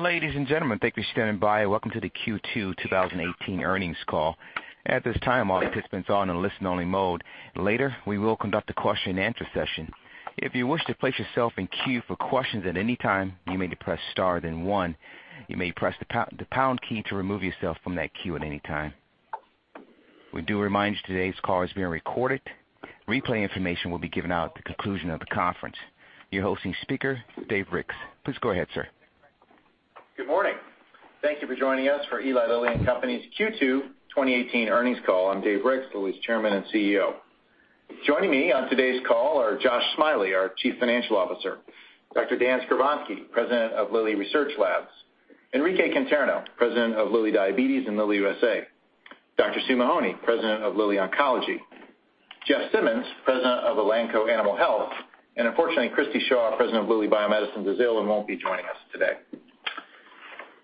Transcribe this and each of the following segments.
Ladies and gentlemen, thank you for standing by. Welcome to the Q2 2018 earnings call. At this time, all participants are in listen-only mode. Later, we will conduct a question-and-answer session. If you wish to place yourself in queue for questions at any time, you may press star then one. You may press the pound key to remove yourself from that queue at any time. We do remind you today's call is being recorded. Replay information will be given out at the conclusion of the conference. Your hosting speaker, Dave Ricks. Please go ahead, sir. Good morning. Thank you for joining us for Eli Lilly and Company's Q2 2018 earnings call. I'm Dave Ricks, the Vice Chairman and CEO. Joining me on today's call are Josh Smiley, our Chief Financial Officer, Dr. Dan Skovronsky, President of Lilly Research Labs, Enrique Conterno, President of Lilly Diabetes and Lilly USA, Dr. Sue Mahony, President of Lilly Oncology, Jeff Simmons, President of Elanco Animal Health, and unfortunately, Christi Shaw, President of Lilly Bio-Medicines Brazil, won't be joining us today.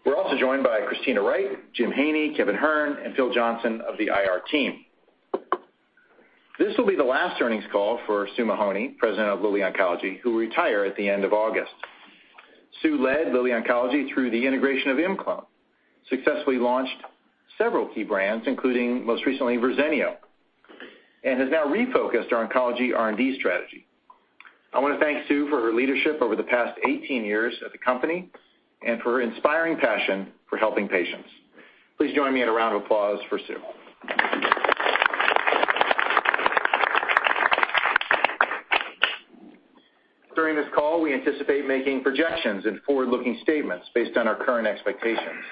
We're also joined by Kristina Wright, Jim Greffet, Kevin Hern, and Phil Johnson of the IR team. This will be the last earnings call for Sue Mahony, President of Lilly Oncology, who will retire at the end of August. Sue led Lilly Oncology through the integration of ImClone, successfully launched several key brands, including most recently Verzenio, and has now refocused our oncology R&D strategy. I want to thank Sue for her leadership over the past 18 years at the company and for her inspiring passion for helping patients. Please join me in a round of applause for Sue. During this call, we anticipate making projections and forward-looking statements based on our current expectations.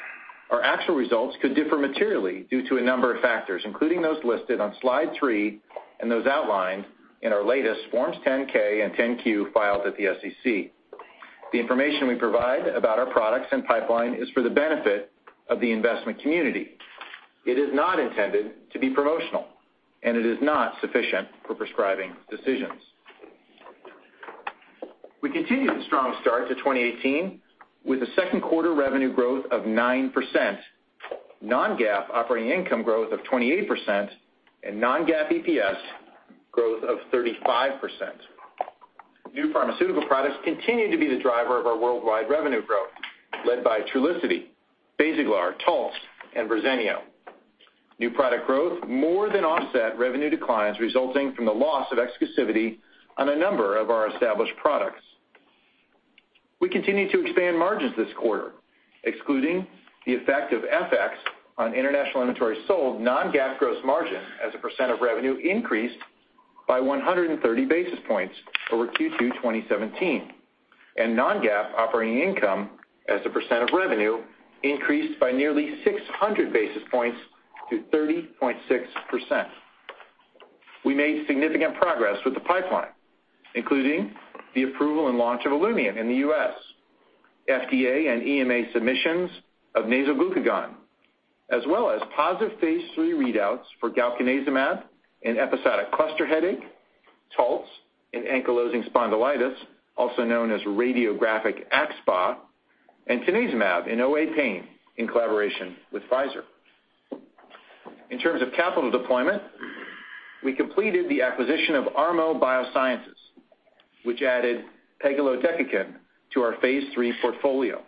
Our actual results could differ materially due to a number of factors, including those listed on slide three and those outlined in our latest Forms 10-K and 10-Q filed at the SEC. The information we provide about our products and pipeline is for the benefit of the investment community. It is not intended to be promotional, and it is not sufficient for prescribing decisions. We continue the strong start to 2018 with a second quarter revenue growth of 9%, non-GAAP operating income growth of 28%, and non-GAAP EPS growth of 35%. New pharmaceutical products continue to be the driver of our worldwide revenue growth, led by Trulicity, BASAGLAR, Taltz, and Verzenio. New product growth more than offset revenue declines resulting from the loss of exclusivity on a number of our established products. We continue to expand margins this quarter, excluding the effect of FX on international inventory sold, non-GAAP gross margin as a percent of revenue increased by 130 basis points over Q2 2017, and non-GAAP operating income as a percent of revenue increased by nearly 600 basis points to 30.6%. We made significant progress with the pipeline, including the approval and launch of ALIMTA in the U.S., FDA and EMA submissions of nasal glucagon, as well as positive phase III readouts for galcanezumab in episodic cluster headache, Taltz in ankylosing spondylitis, also known as radiographic AxSpA, and tanezumab in OA pain in collaboration with Pfizer. In terms of capital deployment, we completed the acquisition of ARMO BioSciences, which added pegilodecakin to our phase III portfolio.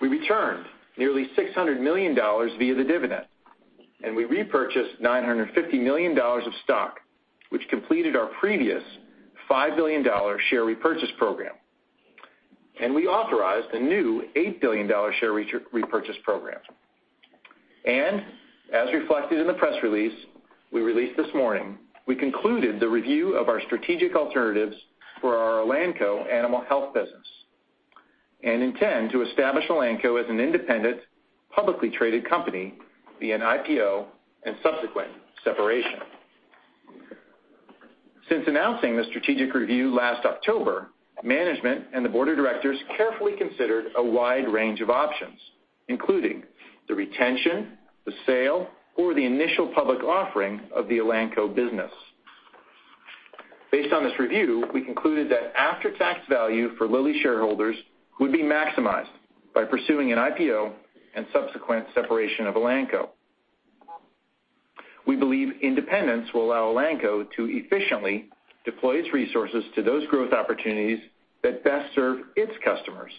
We returned nearly $600 million via the dividend, and we repurchased $950 million of stock, which completed our previous $5 billion share repurchase program. We authorized a new $8 billion share repurchase program. As reflected in the press release we released this morning, we concluded the review of our strategic alternatives for our Elanco Animal Health business and intend to establish Elanco as an independent, publicly traded company via an IPO and subsequent separation. Since announcing the strategic review last October, management and the board of directors carefully considered a wide range of options, including the retention, the sale, or the initial public offering of the Elanco business. Based on this review, we concluded that after-tax value for Lilly shareholders would be maximized by pursuing an IPO and subsequent separation of Elanco. We believe independence will allow Elanco to efficiently deploy its resources to those growth opportunities that best serve its customers.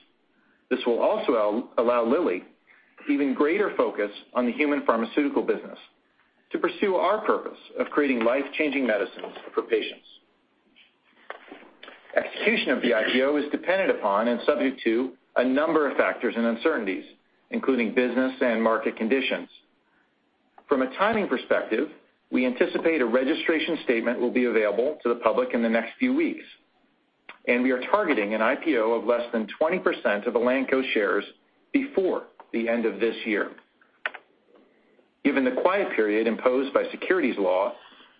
This will also allow Lilly even greater focus on the human pharmaceutical business to pursue our purpose of creating life-changing medicines for patients. Execution of the IPO is dependent upon and subject to a number of factors and uncertainties, including business and market conditions. From a timing perspective, we anticipate a registration statement will be available to the public in the next few weeks, and we are targeting an IPO of less than 20% of Elanco shares before the end of this year. Given the quiet period imposed by securities law,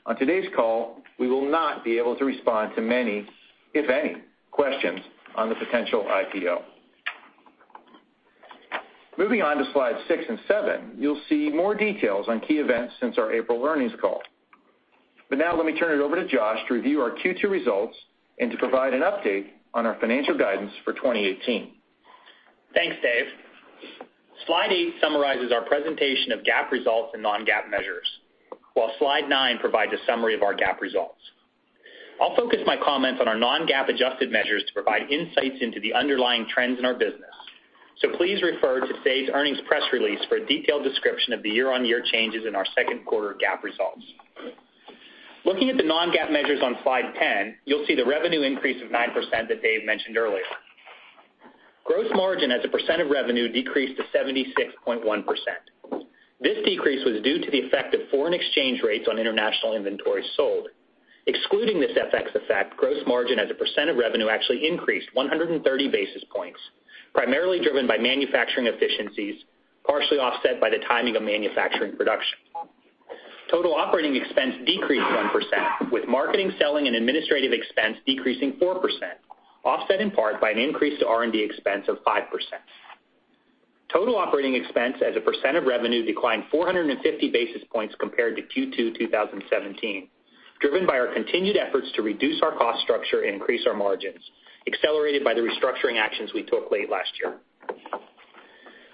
on today's call, we will not be able to respond to many, if any, questions on the potential IPO. Moving on to slides six and seven, you will see more details on key events since our April earnings call. Now let me turn it over to Josh to review our Q2 results and to provide an update on our financial guidance for 2018. Thanks, Dave. Slide eight summarizes our presentation of GAAP results and non-GAAP measures, while slide nine provides a summary of our GAAP results. I'll focus my comments on our non-GAAP adjusted measures to provide insights into the underlying trends in our business. Please refer to today's earnings press release for a detailed description of the year-on-year changes in our second quarter GAAP results. Looking at the non-GAAP measures on slide 10, you'll see the revenue increase of 9% that Dave mentioned earlier. Gross margin as a percent of revenue decreased to 76.1%. This decrease was due to the effect of foreign exchange rates on international inventories sold. Excluding this FX effect, gross margin as a percent of revenue actually increased 130 basis points, primarily driven by manufacturing efficiencies, partially offset by the timing of manufacturing production. Total operating expense decreased 1%, with marketing, selling, and administrative expense decreasing 4%, offset in part by an increase to R&D expense of 5%. Total operating expense as a percent of revenue declined 450 basis points compared to Q2 2017, driven by our continued efforts to reduce our cost structure and increase our margins, accelerated by the restructuring actions we took late last year.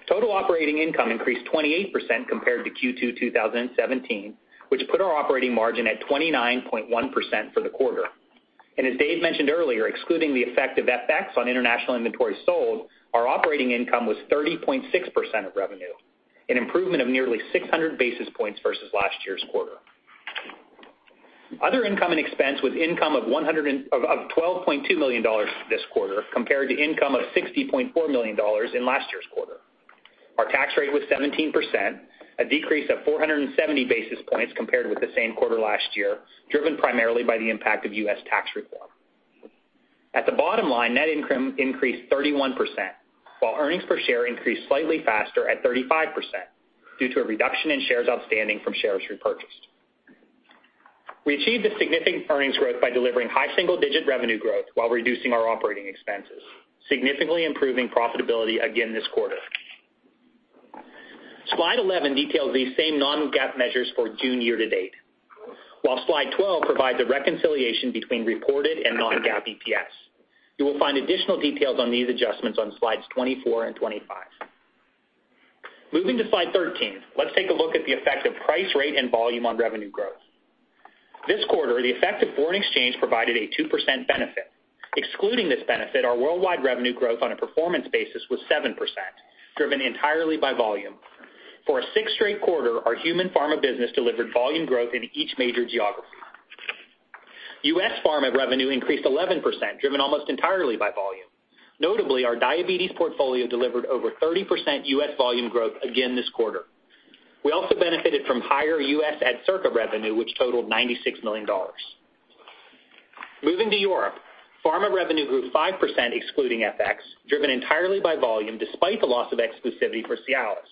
Total operating income increased 28% compared to Q2 2017, which put our operating margin at 29.1% for the quarter. As Dave mentioned earlier, excluding the effect of FX on international inventory sold, our operating income was 30.6% of revenue, an improvement of nearly 600 basis points versus last year's quarter. Other income and expense was income of $12.2 million this quarter compared to income of $60.4 million in last year's quarter. Our tax rate was 17%, a decrease of 470 basis points compared with the same quarter last year, driven primarily by the impact of U.S. tax reform. At the bottom line, net income increased 31%, while earnings per share increased slightly faster at 35% due to a reduction in shares outstanding from shares repurchased. We achieved a significant earnings growth by delivering high single-digit revenue growth while reducing our operating expenses, significantly improving profitability again this quarter. Slide 11 details these same non-GAAP measures for June year to date, while slide 12 provides a reconciliation between reported and non-GAAP EPS. You will find additional details on these adjustments on slides 24 and 25. Moving to slide 13, let's take a look at the effect of price, rate, and volume on revenue growth. This quarter, the effect of foreign exchange provided a 2% benefit. Excluding this benefit, our worldwide revenue growth on a performance basis was 7%, driven entirely by volume. For a sixth straight quarter, our human pharma business delivered volume growth in each major geography. U.S. pharma revenue increased 11%, driven almost entirely by volume. Notably, our diabetes portfolio delivered over 30% U.S. volume growth again this quarter. We also benefited from higher U.S. Adcirca revenue, which totaled $96 million. Moving to Europe, pharma revenue grew 5% excluding FX, driven entirely by volume despite the loss of exclusivity for Cialis.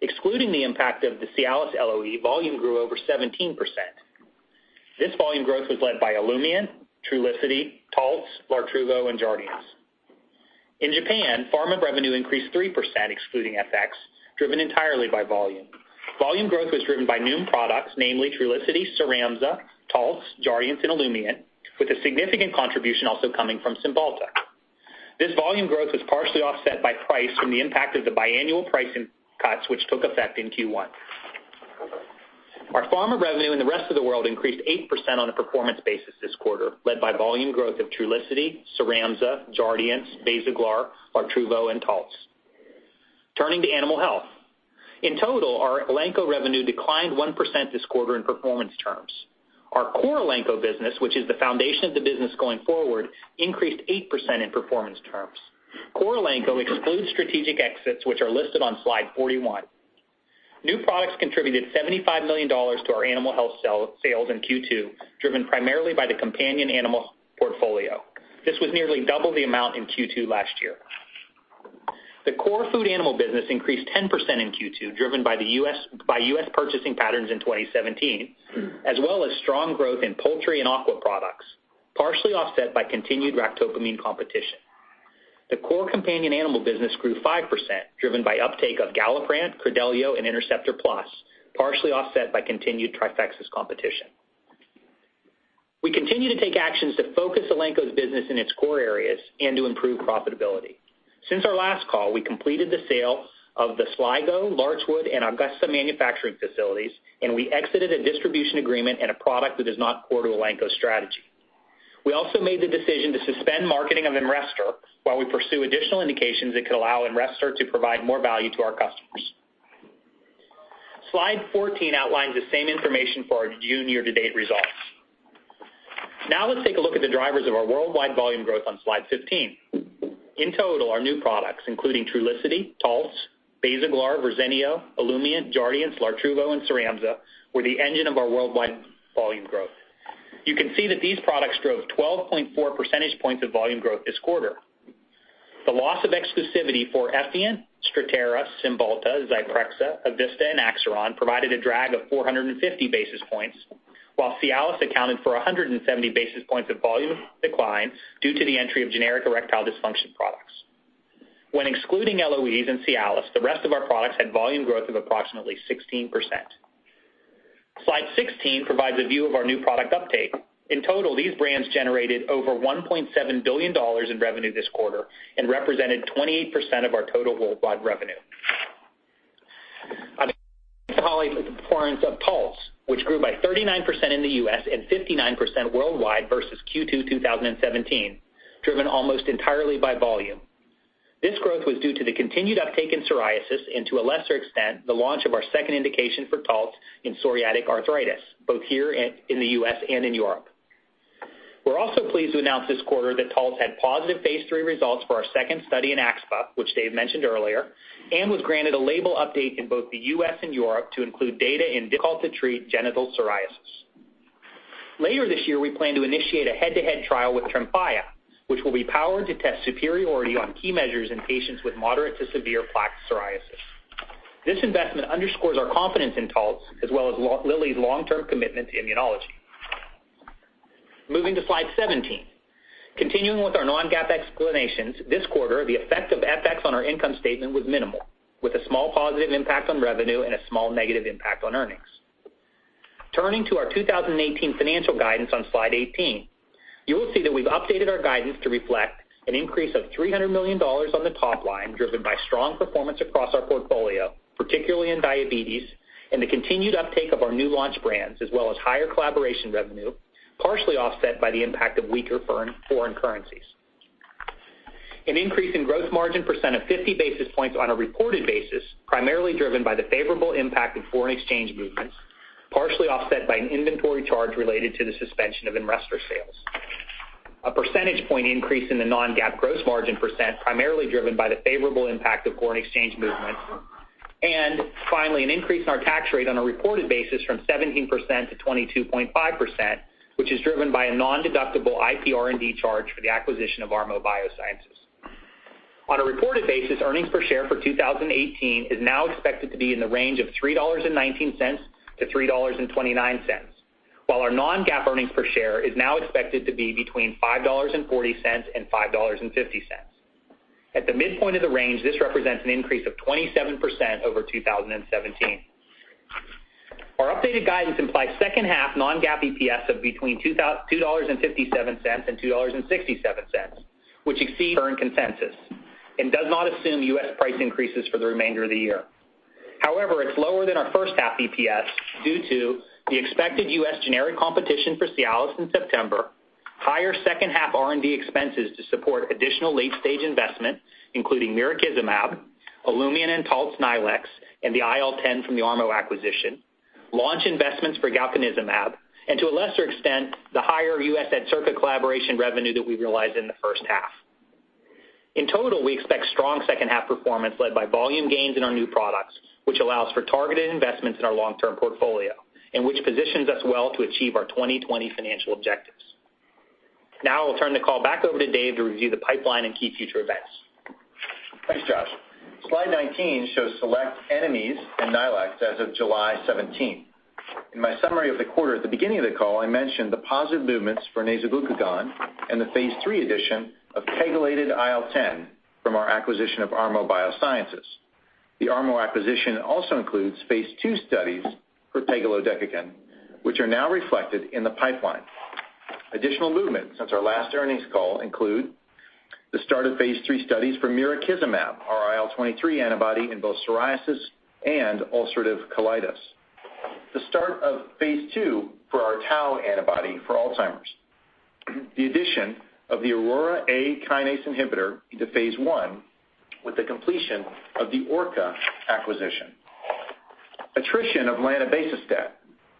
Excluding the impact of the Cialis LOE, volume grew over 17%. This volume growth was led by Olumiant, Trulicity, Taltz, LARTRUVO, and JARDIANCE. In Japan, pharma revenue increased 3% excluding FX, driven entirely by volume. Volume growth was driven by new products, namely Trulicity, CYRAMZA, Taltz, JARDIANCE, and Olumiant, with a significant contribution also coming from Cymbalta. This volume growth was partially offset by price from the impact of the biannual pricing cuts, which took effect in Q1. Our pharma revenue in the rest of the world increased 8% on a performance basis this quarter, led by volume growth of Trulicity, CYRAMZA, JARDIANCE, BASAGLAR, LARTRUVO, and Taltz. Turning to animal health. In total, our Elanco revenue declined 1% this quarter in performance terms. Our core Elanco business, which is the foundation of the business going forward, increased 8% in performance terms. Core Elanco excludes strategic exits, which are listed on slide 41. New products contributed $75 million to our animal health sales in Q2, driven primarily by the companion animal portfolio. This was nearly double the amount in Q2 last year. The core food animal business increased 10% in Q2, driven by U.S. purchasing patterns in 2017, as well as strong growth in poultry and aqua products, partially offset by continued ractopamine competition. The core companion animal business grew 5%, driven by uptake of Galliprant, Credelio, and Interceptor Plus, partially offset by continued Trifexis competition. We continue to take actions to focus Elanco's business in its core areas and to improve profitability. Since our last call, we completed the sale of the Sligo, Liverpool, and Augusta manufacturing facilities, and we exited a distribution agreement and a product that is not core to Elanco's strategy. We also made the decision to suspend marketing of Emrestor while we pursue additional indications that could allow Emrestor to provide more value to our customers. Slide 14 outlines the same information for our June year-to-date results. Now let's take a look at the drivers of our worldwide volume growth on slide 15. In total, our new products, including Trulicity, Taltz, BASAGLAR, Verzenio, Olumiant, JARDIANCE, LARTRUVO, and CYRAMZA, were the engine of our worldwide volume growth. You can see that these products drove 12.4 percentage points of volume growth this quarter. The loss of exclusivity for Effient, STRATTERA, Cymbalta, Zyprexa, EVISTA, and Axiron provided a drag of 450 basis points, while Cialis accounted for 170 basis points of volume decline due to the entry of generic erectile dysfunction products. When excluding LOEs in Cialis, the rest of our products had volume growth of approximately 16%. Slide 16 provides a view of our new product uptake. In total, these brands generated over $1.7 billion in revenue this quarter and represented 28% of our total worldwide revenue. On the call performance of Taltz, which grew by 39% in the U.S. and 59% worldwide versus Q2 2017, driven almost entirely by volume. This growth was due to the continued uptake in psoriasis and to a lesser extent, the launch of our second indication for Taltz in psoriatic arthritis, both here in the U.S. and in Europe. We're also pleased to announce this quarter that Taltz had positive phase III results for our second study in AxSpA, which Dave mentioned earlier, and was granted a label update in both the U.S. and Europe to include data in difficult-to-treat genital psoriasis. Later this year, we plan to initiate a head-to-head trial with TREMFYA, which will be powered to test superiority on key measures in patients with moderate to severe plaque psoriasis. This investment underscores our confidence in Taltz as well as Lilly's long-term commitment to immunology. Moving to slide 17. Continuing with our non-GAAP explanations this quarter, the effect of FX on our income statement was minimal, with a small positive impact on revenue and a small negative impact on earnings. Turning to our 2018 financial guidance on slide 18, you will see that we've updated our guidance to reflect an increase of $300 million on the top line, driven by strong performance across our portfolio, particularly in diabetes, and the continued uptake of our new launch brands, as well as higher collaboration revenue, partially offset by the impact of weaker foreign currencies. An increase in gross margin percent of 50 basis points on a reported basis, primarily driven by the favorable impact of foreign exchange movements, partially offset by an inventory charge related to the suspension of Emrestor sales. A percentage point increase in the non-GAAP gross margin percent, primarily driven by the favorable impact of foreign exchange movements. Finally, an increase in our tax rate on a reported basis from 17%-22.5%, which is driven by a non-deductible IPR&D charge for the acquisition of ARMO BioSciences. On a reported basis, earnings per share for 2018 is now expected to be in the range of $3.19-$3.29. While our non-GAAP earnings per share is now expected to be between $5.40 and $5.50. At the midpoint of the range, this represents an increase of 27% over 2017. Our updated guidance implies second half non-GAAP EPS of between $2.57 and $2.67, which exceeds current consensus and does not assume U.S. price increases for the remainder of the year. However, it's lower than our first half EPS due to the expected U.S. generic competition for Cialis in September, higher second half R&D expenses to support additional late-stage investment, including mirikizumab, Olumiant and Taltz new indications/line extensions, and the IL-10 from the ARMO acquisition, launch investments for galcanezumab, and to a lesser extent, the higher U.S. Adcirca collaboration revenue that we realized in the first half. In total, we expect strong second half performance led by volume gains in our new products, which allows for targeted investments in our long-term portfolio and which positions us well to achieve our 2020 financial objectives. Now I'll turn the call back over to Dave to review the pipeline and key future events. Thanks, Josh. Slide 19 shows select NMEs and new indications/line extensions as of July 17. In my summary of the quarter at the beginning of the call, I mentioned the positive movements for nasal glucagon and the phase III addition of pegilodecakin from our acquisition of ARMO BioSciences. The ARMO acquisition also includes phase II studies for pegilodecakin, which are now reflected in the pipeline. Additional movements since our last earnings call include the start of phase III studies for mirikizumab, our IL-23 antibody in both psoriasis and ulcerative colitis. The start of phase II for our tau antibody for Alzheimer's. The addition of the Aurora A kinase inhibitor into phase I with the completion of the ARMO acquisition. Attrition of lanabecestat,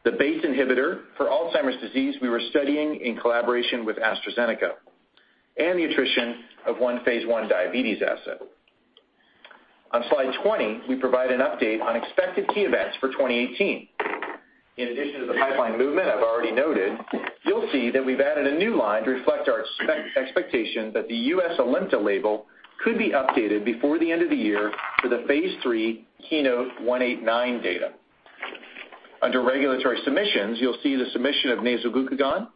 the BACE inhibitor for Alzheimer's disease we were studying in collaboration with AstraZeneca. And the attrition of one phase I diabetes asset. On slide 20, we provide an update on expected key events for 2018. In addition to the pipeline movement I've already noted, you'll see that we've added a new line to reflect our expectation that the U.S. ALIMTA label could be updated before the end of the year for the phase III KEYNOTE-189 data. Under regulatory submissions, you'll see the submission of nasal glucagon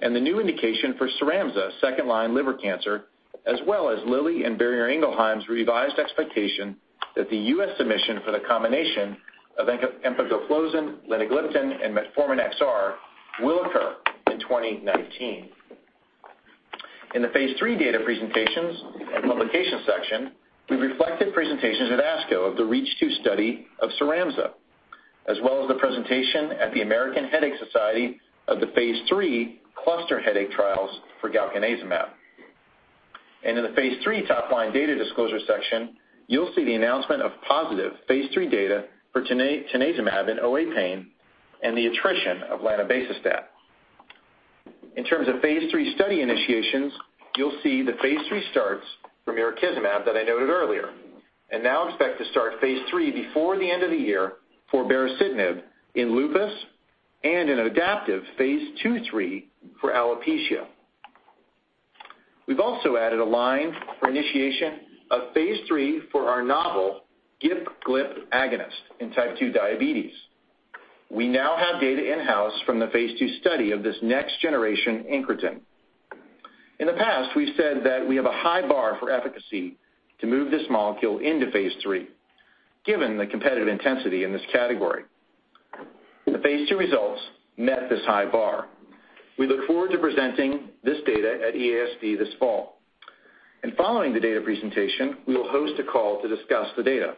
and the new indication for CYRAMZA second-line liver cancer, as well as Lilly and Boehringer Ingelheim's revised expectation that the U.S. submission for the combination of empagliflozin, linagliptin, and metformin XR will occur in 2019. In the phase III data presentations and publications section, we reflected presentations at ASCO of the REACH-2 study of CYRAMZA, as well as the presentation at the American Headache Society of the phase III cluster headache trials for galcanezumab. In the phase III top-line data disclosure section, you'll see the announcement of positive phase III data for tanezumab in OA pain and the attrition of lanabecestat. In terms of phase III study initiations, you'll see the phase III starts for mirikizumab that I noted earlier, and now expect to start phase III before the end of the year for baricitinib in lupus and an adaptive phase II-III for alopecia. We've also added a line for initiation of phase III for our novel GIP/GLP agonist in type 2 diabetes. We now have data in-house from the phase II study of this next generation incretin. In the past, we've said that we have a high bar for efficacy to move this molecule into Phase III, given the competitive intensity in this category. The Phase II results met this high bar. We look forward to presenting this data at EASD this fall. Following the data presentation, we will host a call to discuss the data.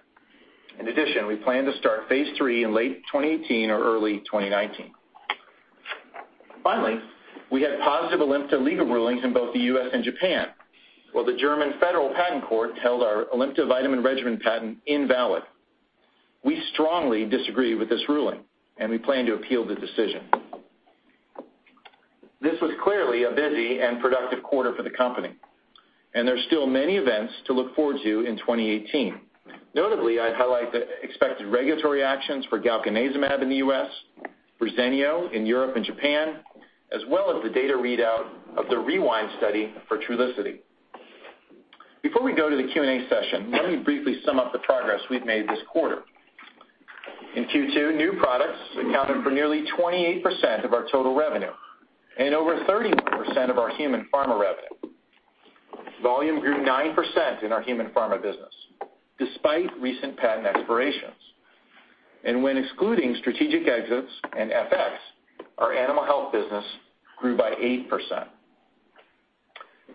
In addition, we plan to start Phase III in late 2018 or early 2019. Finally, we had positive ALIMTA legal rulings in both the U.S. and Japan. While the German Federal Patent Court held our ALIMTA vitamin regimen patent invalid, we strongly disagree with this ruling, and we plan to appeal the decision. This was clearly a busy and productive quarter for the company, and there's still many events to look forward to in 2018. Notably, I'd highlight the expected regulatory actions for galcanezumab in the U.S., for Verzenio in Europe and Japan, as well as the data readout of the REWIND study for TRULICITY. Before we go to the Q&A session, let me briefly sum up the progress we've made this quarter. In Q2, new products accounted for nearly 28% of our total revenue and over 30% of our human pharma revenue. Volume grew 9% in our human pharma business, despite recent patent expirations. When excluding strategic exits and FX, our animal health business grew by 8%.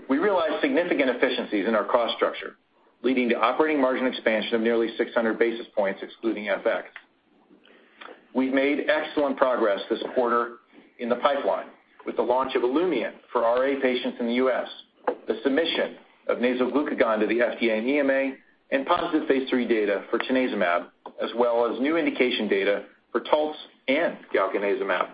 We realized significant efficiencies in our cost structure, leading to operating margin expansion of nearly 600 basis points excluding FX. We've made excellent progress this quarter in the pipeline with the launch of Olumiant for RA patients in the U.S., the submission of nasal glucagon to the FDA and EMA, and positive Phase III data for tanezumab, as well as new indication data for Taltz and galcanezumab.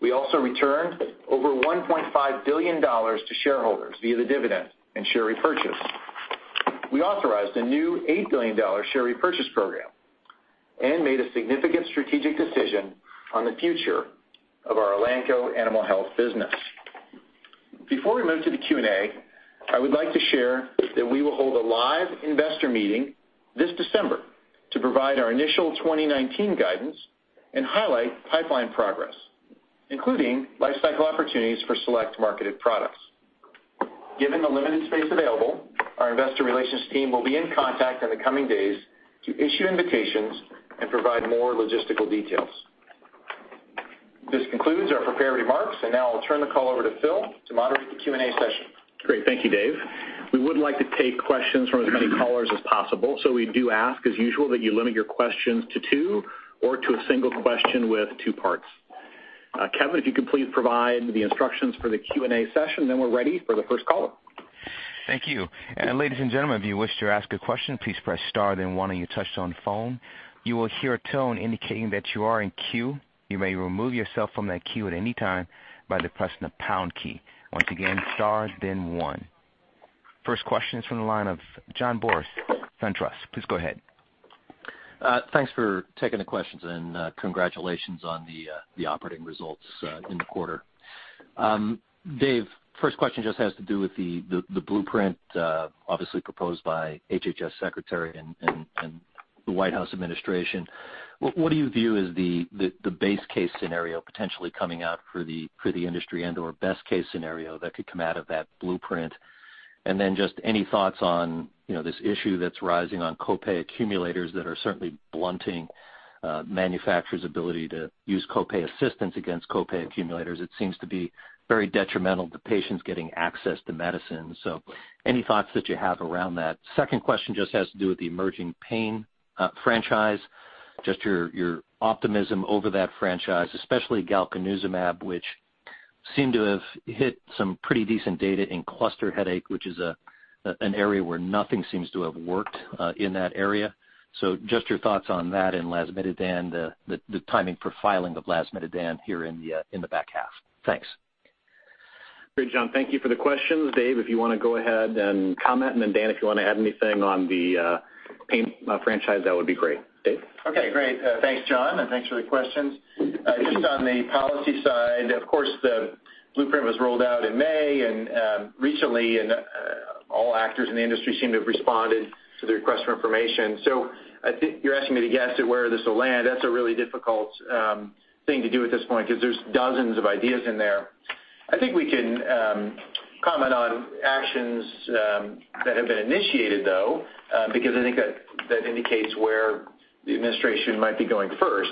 We also returned over $1.5 billion to shareholders via the dividend and share repurchase. We authorized a new $8 billion share repurchase program and made a significant strategic decision on the future of our Elanco Animal Health business. Before we move to the Q&A, I would like to share that we will hold a live investor meeting this December to provide our initial 2019 guidance and highlight pipeline progress, including life cycle opportunities for select marketed products. Given the limited space available, our investor relations team will be in contact in the coming days to issue invitations and provide more logistical details. This concludes our prepared remarks, and now I'll turn the call over to Phil to moderate the Q&A session. Great. Thank you, Dave. We would like to take questions from as many callers as possible, so we do ask, as usual, that you limit your questions to two or to a single question with two parts. Kevin, if you could please provide the instructions for the Q&A session, we're ready for the first caller. Thank you. Ladies and gentlemen, if you wish to ask a question, please press star then one on your touchtone phone. You will hear a tone indicating that you are in queue. You may remove yourself from that queue at any time by pressing the pound key. Once again, star then one. First question is from the line of John Boris, SunTrust. Please go ahead. Thanks for taking the questions and congratulations on the operating results in the quarter. Dave, first question just has to do with the blueprint, obviously proposed by HHS secretary and the White House administration. What do you view as the base case scenario potentially coming out for the industry and/or best case scenario that could come out of that blueprint? Just any thoughts on this issue that's rising on copay accumulators that are certainly blunting manufacturer's ability to use copay assistance against copay accumulators. It seems to be very detrimental to patients getting access to medicine. Any thoughts that you have around that. Second question just has to do with the emerging pain franchise, just your optimism over that franchise, especially galcanezumab, which seemed to have hit some pretty decent data in cluster headache, which is an area where nothing seems to have worked in that area. Just your thoughts on that and lasmiditan, the timing for filing of lasmiditan here in the back half. Thanks. Great, John. Thank you for the questions. Dave, if you want to go ahead and comment, and then Dan, if you want to add anything on the pain franchise, that would be great. Dave? Okay, great. Thanks, John, and thanks for the questions. Just on the policy side, of course, the blueprint was rolled out in May recently, and all actors in the industry seem to have responded to the request for information. I think you're asking me to guess at where this will land. That's a really difficult thing to do at this point because there's dozens of ideas in there. I think we can comment on actions that have been initiated, though, because I think that indicates where the administration might be going first.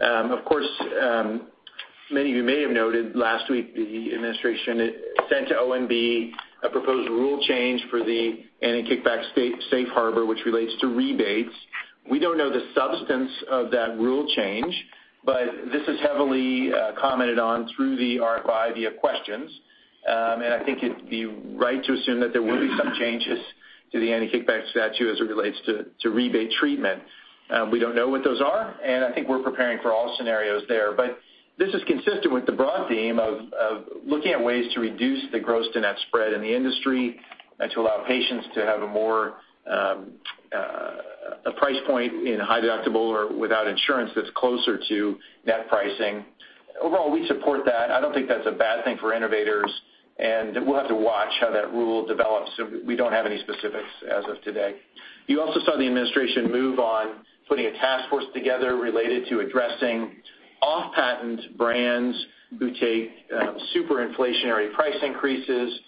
Of course, many of you may have noted last week the administration sent to OMB a proposed rule change for the anti-kickback safe harbor, which relates to rebates. We don't know the substance of that rule change, but this is heavily commented on through the RFI via questions. I think it'd be right to assume that there will be some changes to the anti-kickback statute as it relates to rebate treatment. We don't know what those are, and I think we're preparing for all scenarios there. This is consistent with the broad theme of looking at ways to reduce the gross to net spread in the industry and to allow patients to have a price point in high deductible or without insurance that's closer to net pricing. Overall, we support that. I don't think that's a bad thing for innovators, and we'll have to watch how that rule develops. We don't have any specifics as of today. You also saw the administration move on putting a task force together related to addressing off-patent brands who take super inflationary price increases.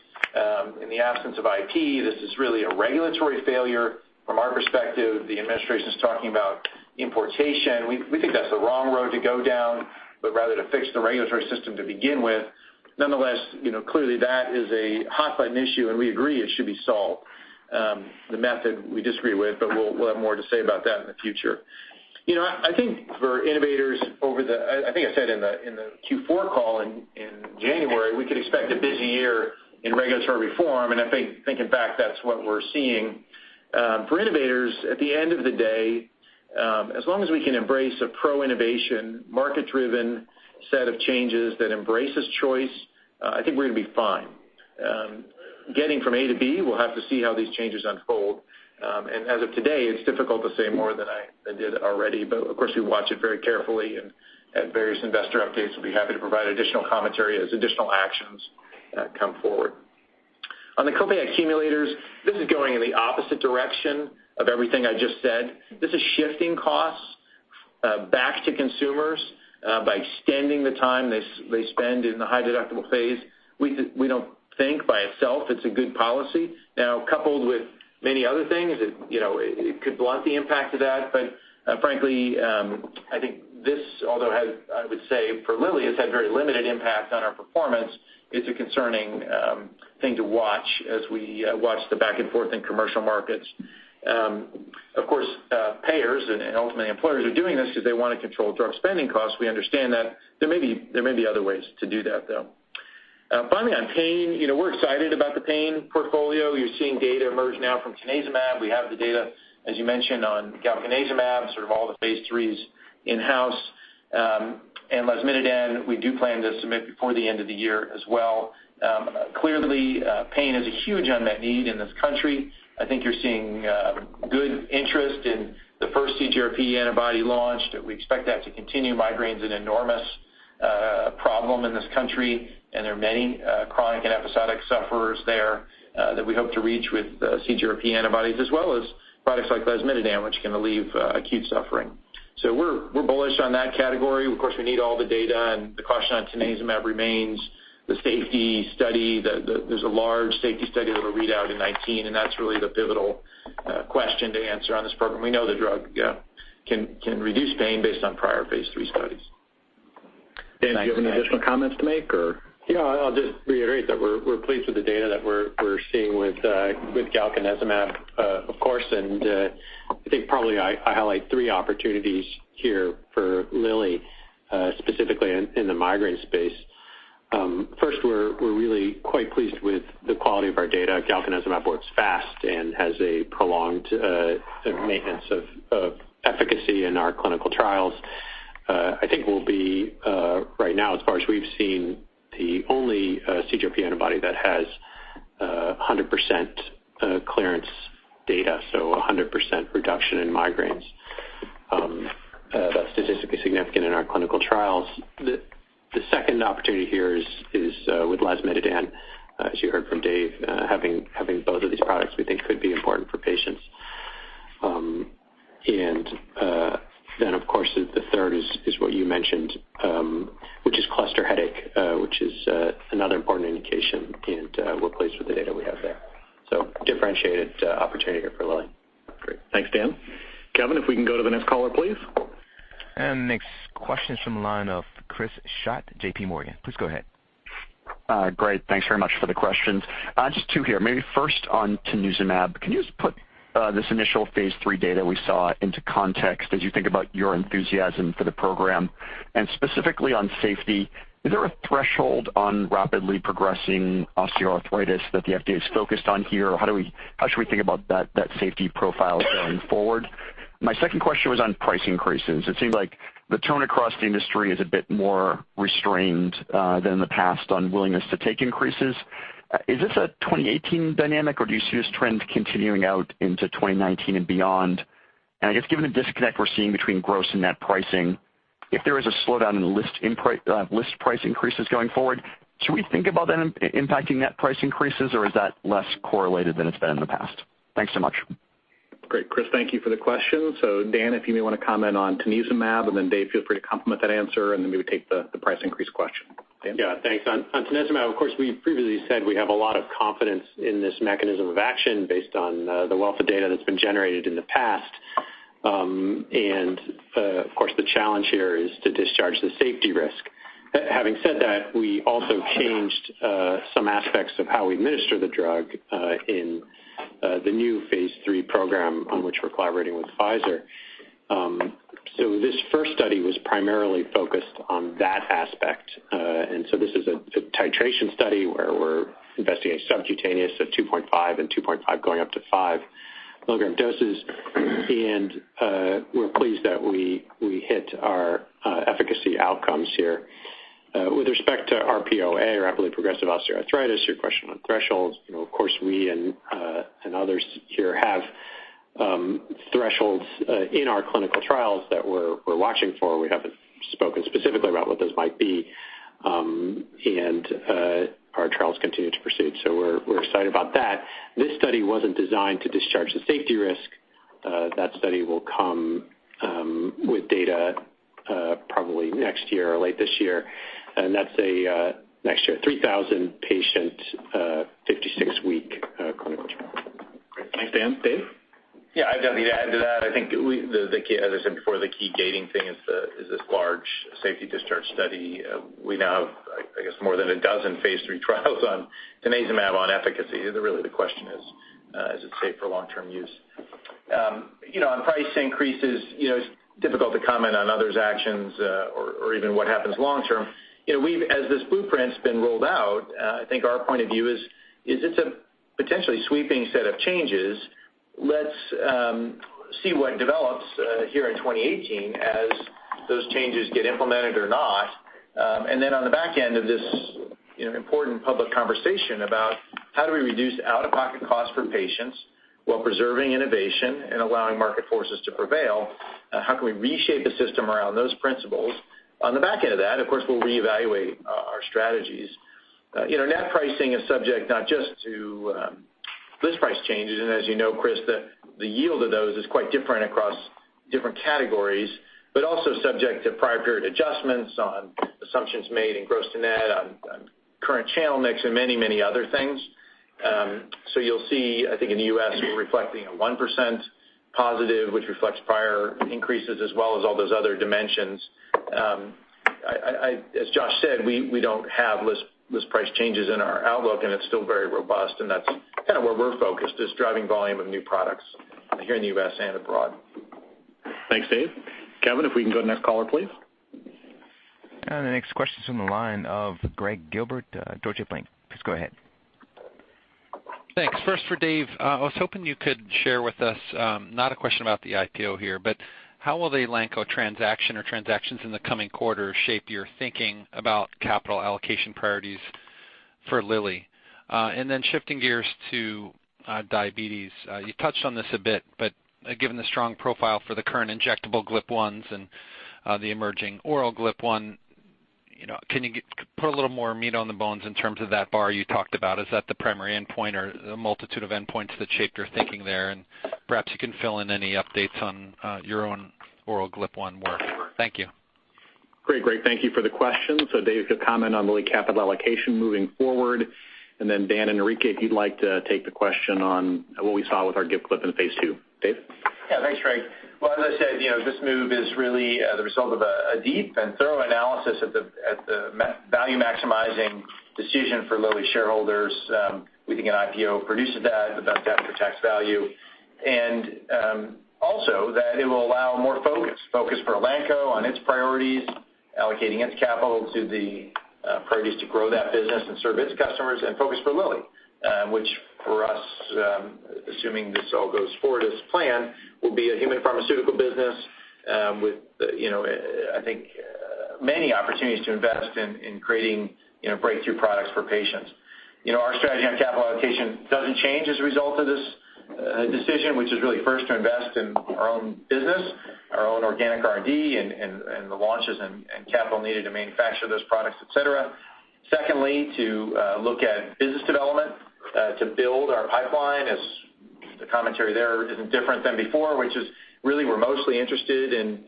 In the absence of IP, this is really a regulatory failure from our perspective. The administration's talking about importation. We think that's the wrong road to go down, but rather to fix the regulatory system to begin with. Nonetheless, clearly that is a hot button issue, and we agree it should be solved. The method we disagree with, but we'll have more to say about that in the future. I think for innovators, I said in the Q4 call in January, we could expect a busy year in regulatory reform, and I think in fact, that's what we're seeing. For innovators, at the end of the day, as long as we can embrace a pro-innovation, market-driven set of changes that embraces choice, I think we're going to be fine. Getting from A to B, we'll have to see how these changes unfold. As of today, it's difficult to say more than I did already, but of course, we watch it very carefully and at various investor updates, we'll be happy to provide additional commentary as additional actions come forward. On the copay accumulators, this is going in the opposite direction of everything I just said. This is shifting costs back to consumers by extending the time they spend in the high deductible phase. We don't think by itself it's a good policy. Coupled with many other things, it could blunt the impact of that. Frankly, I think this, although I would say for Lilly, it's had very limited impact on our performance, it's a concerning thing to watch as we watch the back and forth in commercial markets. Of course, payers and ultimately employers are doing this because they want to control drug spending costs. We understand that. There may be other ways to do that, though. Finally, on pain, we're excited about the pain portfolio. You're seeing data emerge now from tanezumab. We have the data, as you mentioned, on galcanezumab, sort of all the phase III in-house. Lasmiditan, we do plan to submit before the end of the year as well. Clearly, pain is a huge unmet need in this country. I think you're seeing good interest in the first CGRP antibody launched. We expect that to continue. Migraine's an enormous problem in this country, and there are many chronic and episodic sufferers there that we hope to reach with CGRP antibodies, as well as products like lasmiditan, which can relieve acute suffering. We're bullish on that category. Of course, we need all the data, and the caution on tanezumab remains. The safety study, there's a large safety study with a readout in 2019, and that's really the pivotal question to answer on this program. We know the drug can reduce pain based on prior phase III studies. Thanks. Dan, do you have any additional comments to make, or? Yeah, I'll just reiterate that we're pleased with the data that we're seeing with galcanezumab, of course. I think probably I highlight three opportunities here for Lilly, specifically in the migraine space. First, we're really quite pleased with the quality of our data. Galcanezumab works fast and has a prolonged maintenance of efficacy in our clinical trials. I think we'll be, right now as far as we've seen, the only CGRP antibody that has 100% clearance data, so 100% reduction in migraines. That's statistically significant in our clinical trials. The second opportunity here is with lasmiditan. As you heard from Dave, having both of these products we think could be important for patients. Then, of course, the third is what you mentioned, which is cluster headache, which is another important indication, and we're pleased with the data we have there. Differentiated opportunity here for Lilly. Great. Thanks, Dan. Kevin, if we can go to the next caller, please. Next question is from the line of Chris Schott, J.P. Morgan. Please go ahead. Great. Thanks very much for the questions. Just two here. Maybe first on tanezumab. Can you just put this initial phase III data we saw into context as you think about your enthusiasm for the program? And specifically on safety, is there a threshold on rapidly progressive osteoarthritis that the FDA's focused on here, or how should we think about that safety profile going forward? My second question was on price increases. It seems like the tone across the industry is a bit more restrained than in the past on willingness to take increases. Is this a 2018 dynamic, or do you see this trend continuing out into 2019 and beyond? I guess given the disconnect we're seeing between gross and net pricing, if there is a slowdown in list price increases going forward, should we think about that impacting net price increases, or is that less correlated than it's been in the past? Thanks so much. Great, Chris, thank you for the question. Dan, if you may want to comment on tanezumab, then Dave, feel free to complement that answer, then we would take the price increase question. Dan? Yeah, thanks. On tanezumab, of course, we previously said we have a lot of confidence in this mechanism of action based on the wealth of data that's been generated in the past. Of course, the challenge here is to discharge the safety risk. Having said that, we also changed some aspects of how we administer the drug in the new phase III program on which we're collaborating with Pfizer. This first study was primarily focused on that aspect. This is a titration study where we're investigating subcutaneous at 2.5 and 2.5 going up to five milligram doses. We're pleased that we hit our efficacy outcomes here. With respect to RPOA or rapidly progressive osteoarthritis, your question on thresholds, of course, we and others here have thresholds in our clinical trials that we're watching for. We haven't spoken specifically about what those might be. Our trials continue to proceed, so we're excited about that. This study wasn't designed to discharge the safety risk. That study will come with data probably next year or late this year. That's next year, 3,000 patient, 56-week clinical trial. Great. Thanks, Dan. Dave? I've got nothing to add to that. I think as I said before, the key gating thing is this large safety discharge study. We now have, I guess, more than a dozen phase III trials on tanezumab on efficacy. Really the question is it safe for long-term use? On price increases, it's difficult to comment on others' actions or even what happens long term. As this blueprint's been rolled out, I think our point of view is it's a potentially sweeping set of changes. Let's see what develops here in 2018 as those changes get implemented or not. Then on the back end of this important public conversation about how do we reduce out-of-pocket costs for patients while preserving innovation and allowing market forces to prevail, how can we reshape the system around those principles? On the back end of that, of course, we'll reevaluate our strategies. Net pricing is subject not just to list price changes, and as you know, Chris, the yield of those is quite different across different categories, but also subject to prior period adjustments on assumptions made in gross to net, on current channel mix and many, many other things. You'll see, I think in the U.S. we're reflecting a 1% positive, which reflects prior increases as well as all those other dimensions. As Josh said, we don't have list price changes in our outlook, and it's still very robust, and that's kind of where we're focused is driving volume of new products here in the U.S. and abroad. Thanks, Dave. Kevin, if we can go to the next caller, please. The next question's from the line of Gregg Gilbert, Deutsche Bank. Please go ahead. Thanks. First for Dave, I was hoping you could share with us, not a question about the IPO here, but how will the Elanco transaction or transactions in the coming quarter shape your thinking about capital allocation priorities for Lilly? Shifting gears to diabetes, you touched on this a bit, but given the strong profile for the current injectable GLP-1s and the emerging oral GLP-1, can you put a little more meat on the bones in terms of that bar you talked about? Is that the primary endpoint or a multitude of endpoints that shaped your thinking there? Perhaps you can fill in any updates on your own oral GLP-1 work. Thank you. Great, Gregg. Thank you for the question. Dave could comment on Lilly capital allocation moving forward, and then Dan and Enrique, if you'd like to take the question on what we saw with our GIP/GLP in phase II. Dave? Thanks, Gregg. Well, as I said, this move is really the result of a deep and thorough analysis at the value-maximizing decision for Lilly shareholders. We think an IPO produces that, the best after-tax value. Also that it will allow more focus. Focus for Elanco on its priorities, allocating its capital to the priorities to grow that business and serve its customers, and focus for Lilly, which for us, assuming this all goes forward as planned, will be a human pharmaceutical business with I think many opportunities to invest in creating breakthrough products for patients. Our strategy on capital allocation doesn't change as a result of this decision, which is really first to invest in our own business, our own organic R&D and the launches and capital needed to manufacture those products, et cetera. Secondly, to look at business development to build our pipeline, as the commentary there isn't different than before, which is really we're mostly interested in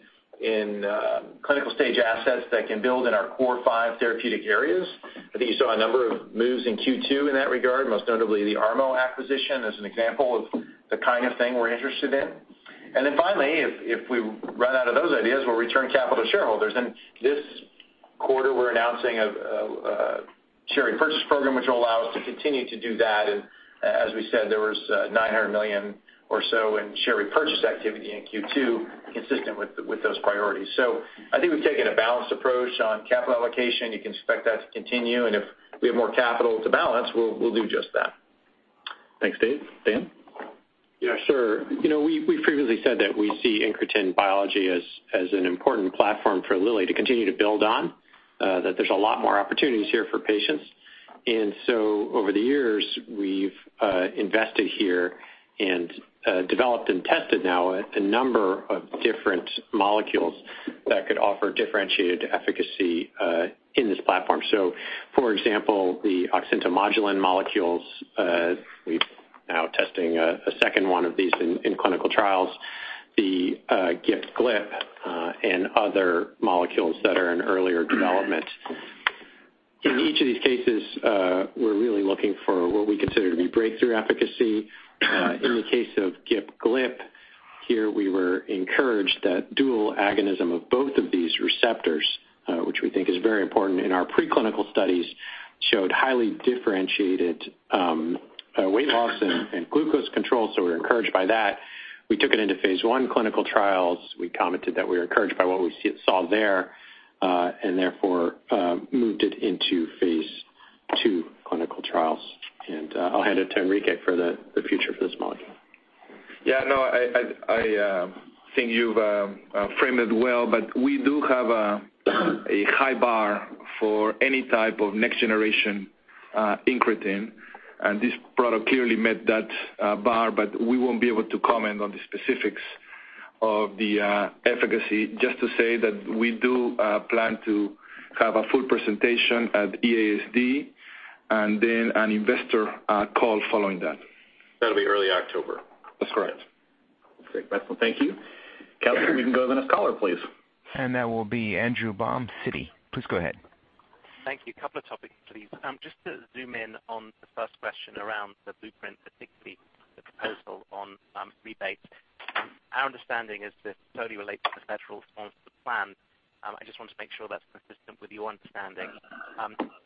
clinical-stage assets that can build in our core five therapeutic areas. I think you saw a number of moves in Q2 in that regard, most notably the ARMO acquisition as an example of the kind of thing we're interested in. Finally, if we run out of those ideas, we'll return capital to shareholders. This quarter, we're announcing a share repurchase program, which will allow us to continue to do that. As we said, there was $900 million or so in share repurchase activity in Q2 consistent with those priorities. I think we've taken a balanced approach on capital allocation. You can expect that to continue, and if we have more capital to balance, we'll do just that. Thanks, Dave. Dan? Sure. We've previously said that we see incretin biology as an important platform for Lilly to continue to build on, that there's a lot more opportunities here for patients. Over the years, we've invested here and developed and tested now a number of different molecules that could offer differentiated efficacy in this platform. For example, the oxyntomodulin molecules, we're now testing a second one of these in clinical trials, the GIP/GLP and other molecules that are in earlier development. In each of these cases, we're really looking for what we consider to be breakthrough efficacy. In the case of GIP/GLP, here we were encouraged that dual agonism of both of these receptors, which we think is very important in our preclinical studies, showed highly differentiated weight loss and glucose control. We were encouraged by that. We took it into phase I clinical trials. We commented that we were encouraged by what we saw there, therefore, moved it into phase II clinical trials. I'll hand it to Enrique for the future for this molecule. I think you've framed it well, we do have a high bar for any type of next-generation incretin, this product clearly met that bar. We won't be able to comment on the specifics of the efficacy. Just to say that we do plan to have a full presentation at EASD and then an investor call following that. That'll be early October. That's correct. Great. Excellent. Thank you. Kevin, we can go to the next caller, please. That will be Andrew Baum, Citi. Please go ahead. Thank you. Couple of topics, please. Just to zoom in on the first question around the blueprint, particularly the proposal on rebates. Our understanding is this totally relates to the federal sponsored plan. I just want to make sure that's consistent with your understanding.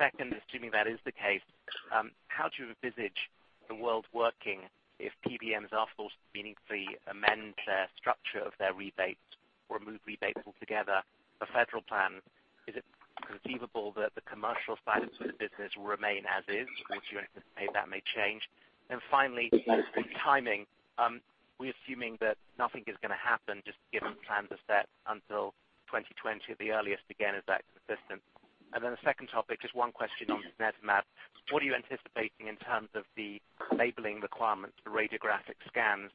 Second, assuming that is the case, how do you envisage the world working if PBMs are forced to meaningfully amend their structure of their rebates or remove rebates altogether? The federal plan, is it conceivable that the commercial side of the business will remain as is? Or do you anticipate that may change? Finally, on timing, we're assuming that nothing is going to happen just given plans are set until 2020 at the earliest. Again, is that consistent? Then the second topic, just one question on tanezumab. What are you anticipating in terms of the labeling requirements for radiographic scans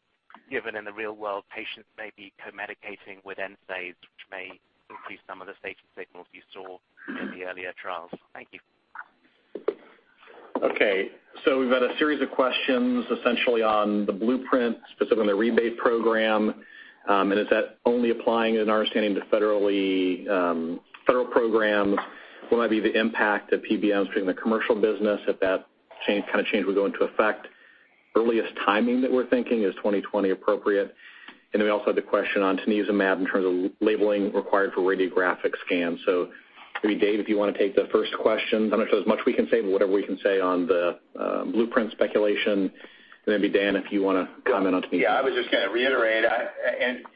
given in the real world, patients may be co-medicating with NSAIDs, which may increase some of the safety signals you saw in the earlier trials. Thank you. We've had a series of questions essentially on the blueprint, specifically the rebate program, and is that only applying in our understanding to federal programs? What might be the impact of PBMs between the commercial business if that kind of change would go into effect? Earliest timing that we're thinking, is 2020 appropriate? We also had the question on tanezumab in terms of labeling required for radiographic scans. Maybe Dave, if you want to take the first question. I'm not sure there's much we can say, but whatever we can say on the blueprint speculation. Maybe Dan, if you want to comment on tanezumab. I was just going to reiterate,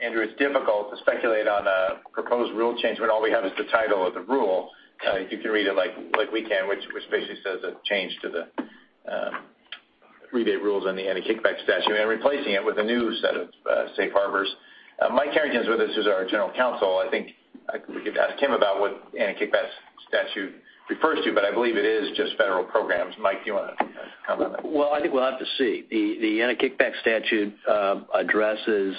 Andrew, it's difficult to speculate on a proposed rule change when all we have is the title of the rule. You can read it like we can, which basically says a change to the rebate rules on the anti-kickback statute and replacing it with a new set of safe harbors. Michael Harrington with us, who's our general counsel. I think we could ask him about what anti-kickback statute refers to, but I believe it is just federal programs. Mike, do you want to comment on that? I think we'll have to see. The anti-kickback statute addresses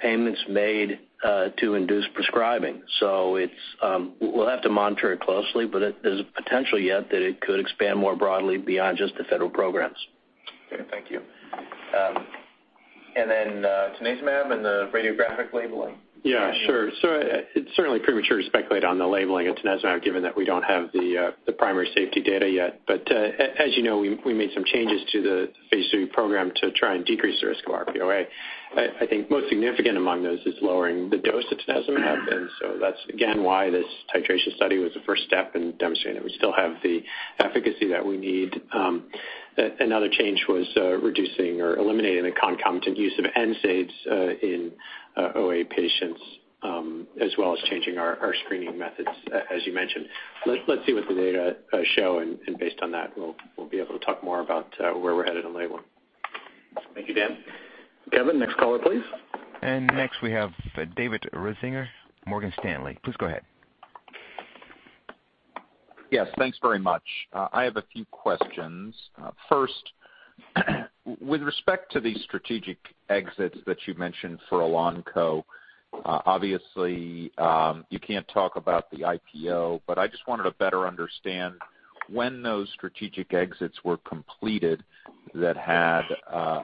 payments made to induce prescribing. We'll have to monitor it closely, but there's a potential yet that it could expand more broadly beyond just the federal programs. Thank you. Tanezumab and the radiographic labeling. Sure. It's certainly premature to speculate on the labeling of tanezumab given that we don't have the primary safety data yet. As you know, we made some changes to the phase III program to try and decrease the risk of RPOA. I think most significant among those is lowering the dose of tanezumab. That's again, why this titration study was the first step in demonstrating that we still have the efficacy that we need. Another change was reducing or eliminating the concomitant use of NSAIDs in OA patients, as well as changing our screening methods, as you mentioned. Let's see what the data show, and based on that, we'll be able to talk more about where we're headed on labeling. Thank you, Dan. Kevin, next caller, please. Next we have David Risinger, Morgan Stanley. Please go ahead. Thanks very much. I have a few questions. First, with respect to the strategic exits that you mentioned for Elanco, obviously, you can't talk about the IPO, I just wanted to better understand when those strategic exits were completed that had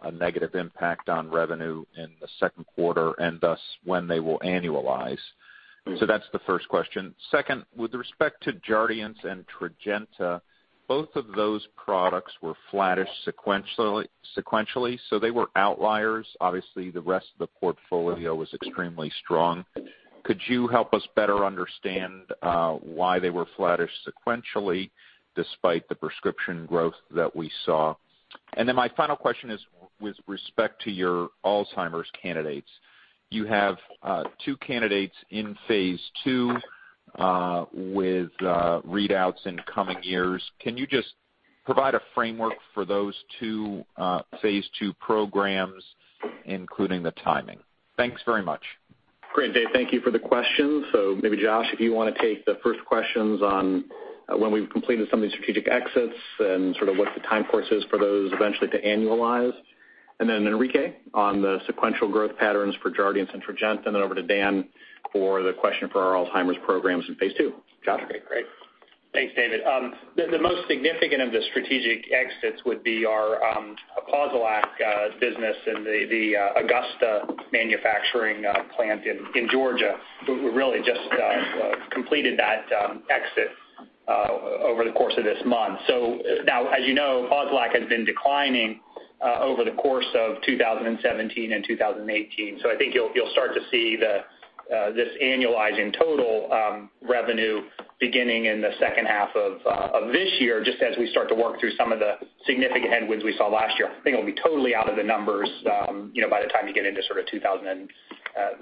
a negative impact on revenue in the second quarter and thus when they will annualize. That's the first question. Second, with respect to Jardiance and Tradjenta, both of those products were flattish sequentially, they were outliers. Obviously, the rest of the portfolio was extremely strong. Could you help us better understand why they were flattish sequentially despite the prescription growth that we saw? My final question is with respect to your Alzheimer's candidates. You have two candidates in phase II with readouts in coming years. Can you just provide a framework for those two phase II programs, including the timing? Thanks very much. Great, Dave. Thank you for the questions. Maybe Josh, if you want to take the first questions on when we've completed some of these strategic exits and sort of what the time course is for those eventually to annualize. Enrique on the sequential growth patterns for JARDIANCE and Tradjenta, over to Dan for the question for our Alzheimer's programs in phase II. Josh? Great. Thanks, David. The most significant of the strategic exits would be our Elanco business and the Augusta manufacturing plant in Georgia. We really just completed that exit over the course of this month. Now, as you know, Elanco has been declining over the course of 2017 and 2018. I think you'll start to see this annualizing total revenue beginning in the second half of this year, just as we start to work through some of the significant headwinds we saw last year. I think it'll be totally out of the numbers by the time you get into sort of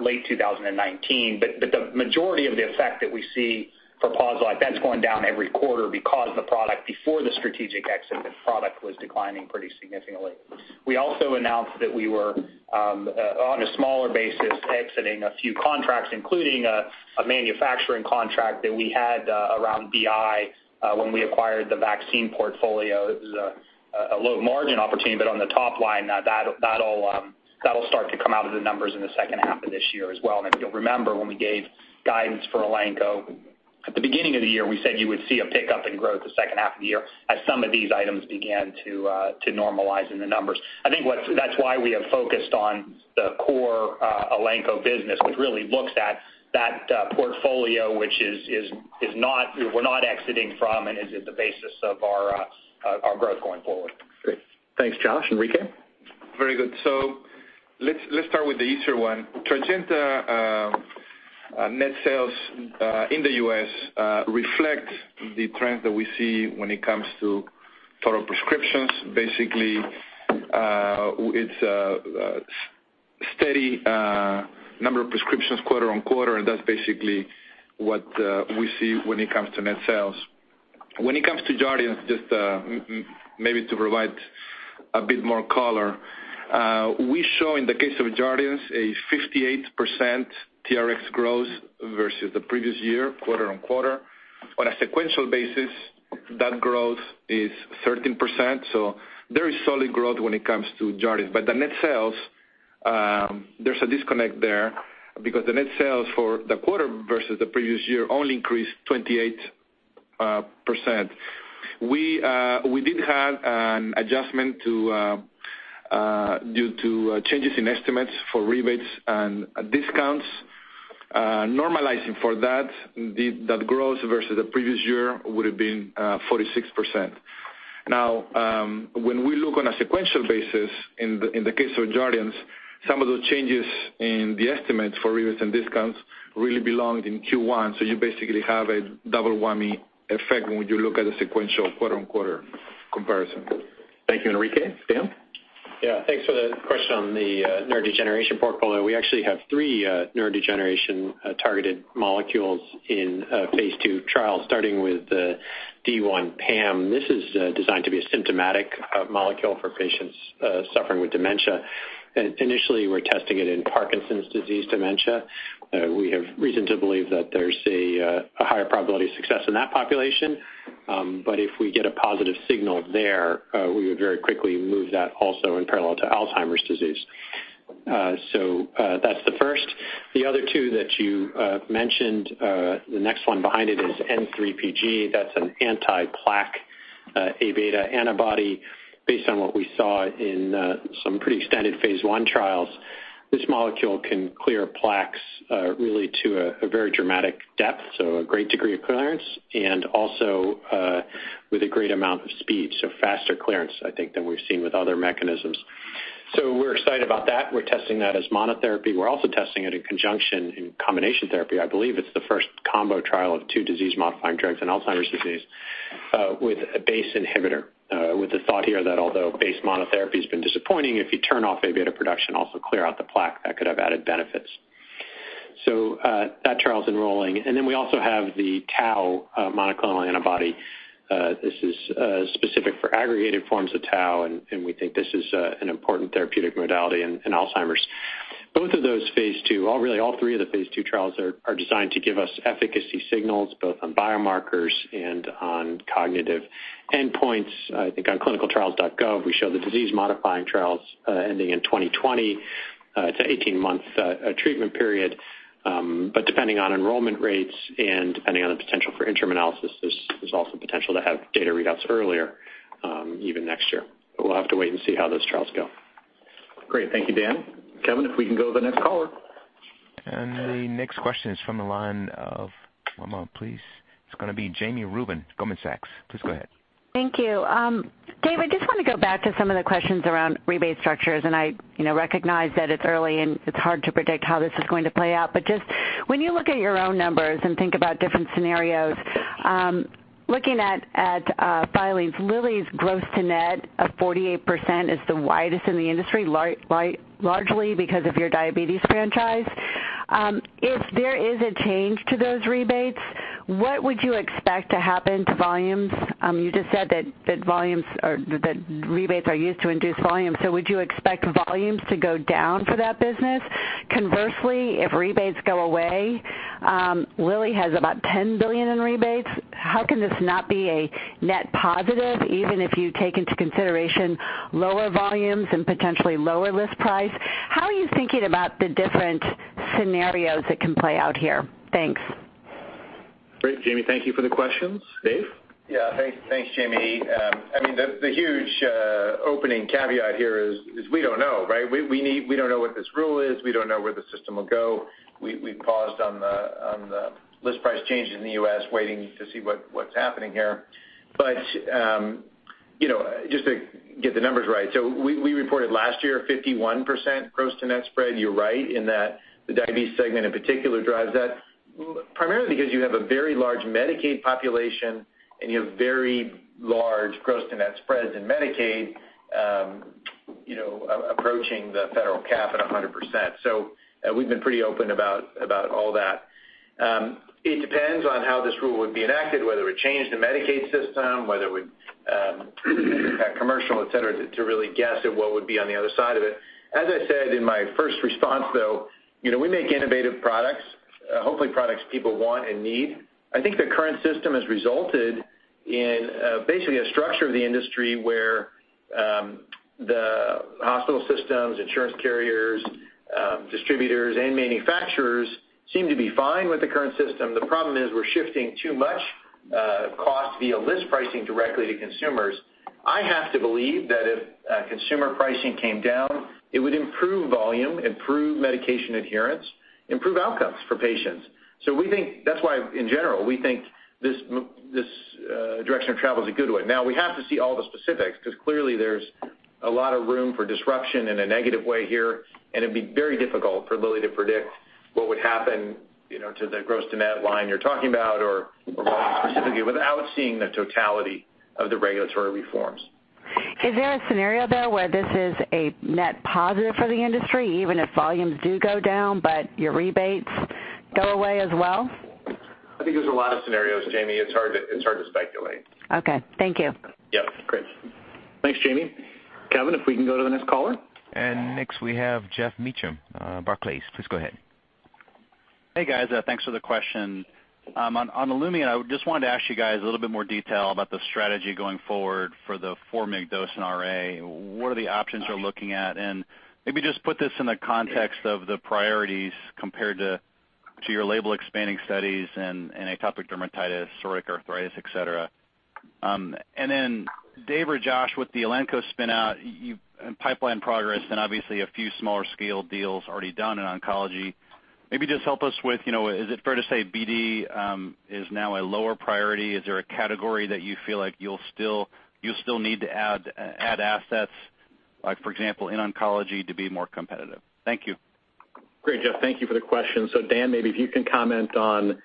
late 2019. The majority of the effect that we see for Elanco, that's going down every quarter because the product before the strategic exit, the product was declining pretty significantly. We also announced that we were, on a smaller basis, exiting a few contracts, including a manufacturing contract that we had around BI when we acquired the vaccine portfolio. It was a low-margin opportunity, but on the top line, that'll start to come out of the numbers in the second half of this year as well. If you'll remember, when we gave guidance for Elanco at the beginning of the year, we said you would see a pickup in growth the second half of the year as some of these items began to normalize in the numbers. I think that's why we have focused on the core Elanco business, which really looks at that portfolio, which we're not exiting from and is at the basis of our growth going forward. Great. Thanks, Josh. Enrique? Very good. Let's start with the easier one. Trajenta net sales in the U.S. reflect the trend that we see when it comes to total prescriptions. It's a steady number of prescriptions quarter-on-quarter. That's basically what we see when it comes to net sales. When it comes to Jardiance, just maybe to provide a bit more color, we show, in the case of Jardiance, a 58% TRX growth versus the previous year, quarter-on-quarter. On a sequential basis, that growth is 13%. There is solid growth when it comes to Jardiance. The net sales, there's a disconnect there because the net sales for the quarter versus the previous year only increased 28%. We did have an adjustment due to changes in estimates for rebates and discounts. Normalizing for that growth versus the previous year would've been 46%. When we look on a sequential basis, in the case of Jardiance, some of those changes in the estimates for rebates and discounts really belonged in Q1. You basically have a double whammy effect when you look at a sequential quarter-on-quarter comparison. Thank you, Enrique. Dan? Thanks for the question on the neurodegeneration portfolio. We actually have three neurodegeneration-targeted molecules in phase II trials, starting with D1PAM. This is designed to be a symptomatic molecule for patients suffering with dementia. Initially, we're testing it in Parkinson's disease dementia. We have reason to believe that there's a higher probability of success in that population. If we get a positive signal there, we would very quickly move that also in parallel to Alzheimer's disease. That's the first. The other two that you mentioned, the next one behind it is N3pG. That's an anti-plaque A-beta antibody based on what we saw in some pretty extended phase I trials. This molecule can clear plaques really to a very dramatic depth, a great degree of clearance, and also with a great amount of speed, faster clearance, I think, than we've seen with other mechanisms. We're excited about that. We're testing that as monotherapy. We're also testing it in conjunction in combination therapy. I believe it's the first combo trial of two disease-modifying drugs in Alzheimer's disease with a BACE inhibitor, with the thought here that although BACE monotherapy's been disappointing, if you turn off A-beta production, also clear out the plaque, that could have added benefits. That trial's enrolling. We also have the tau monoclonal antibody. This is specific for aggregated forms of tau, and we think this is an important therapeutic modality in Alzheimer's. Both of those phase II, really all three of the phase II trials are designed to give us efficacy signals, both on biomarkers and on cognitive endpoints. I think on ClinicalTrials.gov, we show the disease-modifying trials ending in 2020. It's an 18-month treatment period. Depending on enrollment rates and depending on the potential for interim analysis, there's also potential to have data readouts earlier, even next year. We'll have to wait and see how those trials go. Great. Thank you, Dan. Kevin, if we can go to the next caller. The next question is from the line of, one moment please, it's going to be Jami Rubin, Goldman Sachs. Please go ahead. Thank you. Dave, I just want to go back to some of the questions around rebate structures, and I recognize that it's early and it's hard to predict how this is going to play out. Just when you look at your own numbers and think about different scenarios, looking at filings, Lilly's gross to net of 48% is the widest in the industry, largely because of your diabetes franchise. If there is a change to those rebates, what would you expect to happen to volumes? You just said that rebates are used to induce volume. Would you expect volumes to go down for that business? Conversely, if rebates go away, Lilly has about $10 billion in rebates. How can this not be a net positive, even if you take into consideration lower volumes and potentially lower list price? How are you thinking about the different scenarios that can play out here? Thanks. Great, Jami. Thank you for the questions. Dave? Thanks, Jami. The huge opening caveat here is we don't know, right? We don't know what this rule is. We don't know where the system will go. We've paused on the list price changes in the U.S., waiting to see what's happening here. Just to get the numbers right, so we reported last year 51% gross to net spread. You're right in that the diabetes segment in particular drives that, primarily because you have a very large Medicaid population, and you have very large gross to net spreads in Medicaid. approaching the federal cap at 100%. We've been pretty open about all that. It depends on how this rule would be enacted, whether it would change the Medicaid system, whether it would impact commercial, et cetera, to really guess at what would be on the other side of it. As I said in my first response, though, we make innovative products, hopefully products people want and need. I think the current system has resulted in basically a structure of the industry where the hospital systems, insurance carriers, distributors, and manufacturers seem to be fine with the current system. The problem is we're shifting too much cost via list pricing directly to consumers. I have to believe that if consumer pricing came down, it would improve volume, improve medication adherence, improve outcomes for patients. That's why, in general, we think this direction of travel is a good one. We have to see all the specifics because clearly there's a lot of room for disruption in a negative way here, and it'd be very difficult for Lilly to predict what would happen to the gross to net line you're talking about or volume specifically without seeing the totality of the regulatory reforms. Is there a scenario, though, where this is a net positive for the industry, even if volumes do go down, but your rebates go away as well? I think there's a lot of scenarios, Jami. It's hard to speculate. Okay. Thank you. Yep. Great. Thanks, Jami. Kevin, if we can go to the next caller. Next we have Geoff Meacham, Barclays. Please go ahead. Hey, guys. Thanks for the question. On Olumiant, I just wanted to ask you guys a little bit more detail about the strategy going forward for the 4 mg dose in RA. What are the options you're looking at? Maybe just put this in the context of the priorities compared to your label expanding studies in atopic dermatitis, psoriatic arthritis, et cetera. Dave or Josh, with the Elanco spin out and pipeline progress and obviously a few smaller scale deals already done in oncology, maybe just help us with, is it fair to say BD is now a lower priority? Is there a category that you feel like you'll still need to add assets, like for example, in oncology to be more competitive? Thank you. Great, Geoff. Thank you for the question. Dan, maybe if you can comment on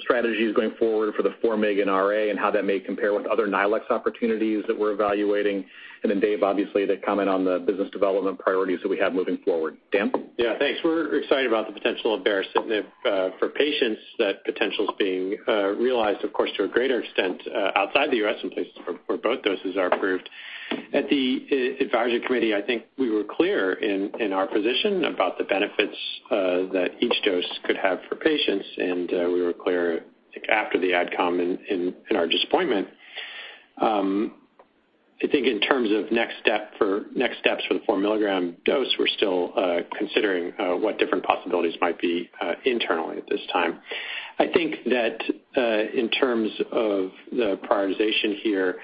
strategies going forward for the 4 mg in RA and how that may compare with other new indications/line extensions opportunities that we're evaluating. Dave, obviously, to comment on the business development priorities that we have moving forward. Dan? Thanks. We're excited about the potential of baricitinib for patients. That potential's being realized, of course, to a greater extent outside the U.S. in places where both doses are approved. At the advisory committee, I think we were clear in our position about the benefits that each dose could have for patients, and we were clear after the ad com in our disappointment. I think in terms of next steps for the 4 mg dose, we're still considering what different possibilities might be internally at this time. I think that in terms of the prioritization here,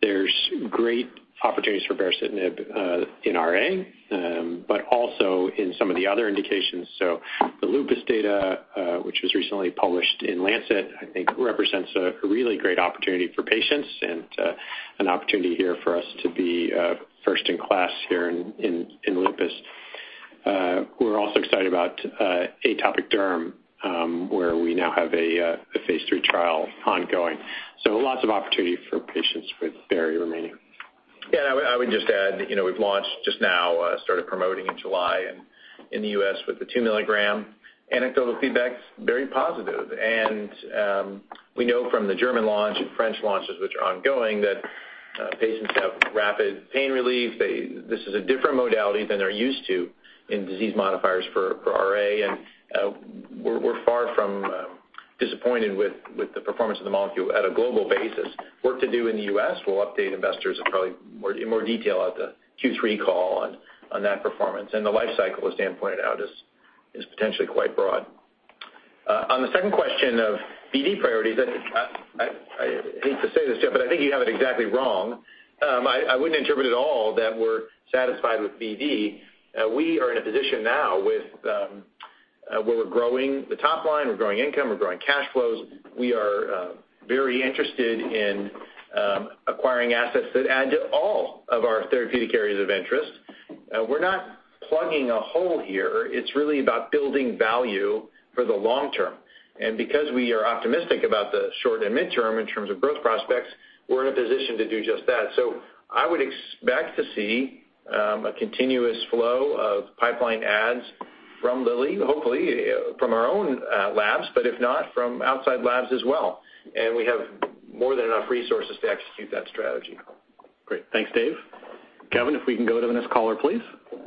there's great opportunities for baricitinib in RA, but also in some of the other indications. The lupus data, which was recently published in "The Lancet," I think represents a really great opportunity for patients and an opportunity here for us to be first in class here in lupus. We're also excited about atopic derm, where we now have a phase III trial ongoing. Lots of opportunity for patients with Bari remaining. I would just add, we've launched just now, started promoting in July in the U.S. with the 2 mg. Anecdotal feedback's very positive. We know from the German launch and French launches, which are ongoing, that patients have rapid pain relief. This is a different modality than they're used to in disease modifiers for RA. We're far from disappointed with the performance of the molecule at a global basis. Work to do in the U.S.; we'll update investors in probably more detail at the Q3 call on that performance. The life cycle, as Dan pointed out, is potentially quite broad. On the second question of BD priorities, I hate to say this, Geoff, I think you have it exactly wrong. I wouldn't interpret at all that we're satisfied with BD. We are in a position now where we're growing the top line, we're growing income, we're growing cash flows. We are very interested in acquiring assets that add to all of our therapeutic areas of interest. We're not plugging a hole here. It's really about building value for the long term. Because we are optimistic about the short and mid-term in terms of growth prospects, we're in a position to do just that. I would expect to see a continuous flow of pipeline adds from Lilly, hopefully from our own labs, if not, from outside labs as well. We have more than enough resources to execute that strategy. Great. Thanks, Dave. Kevin, if we can go to the next caller, please.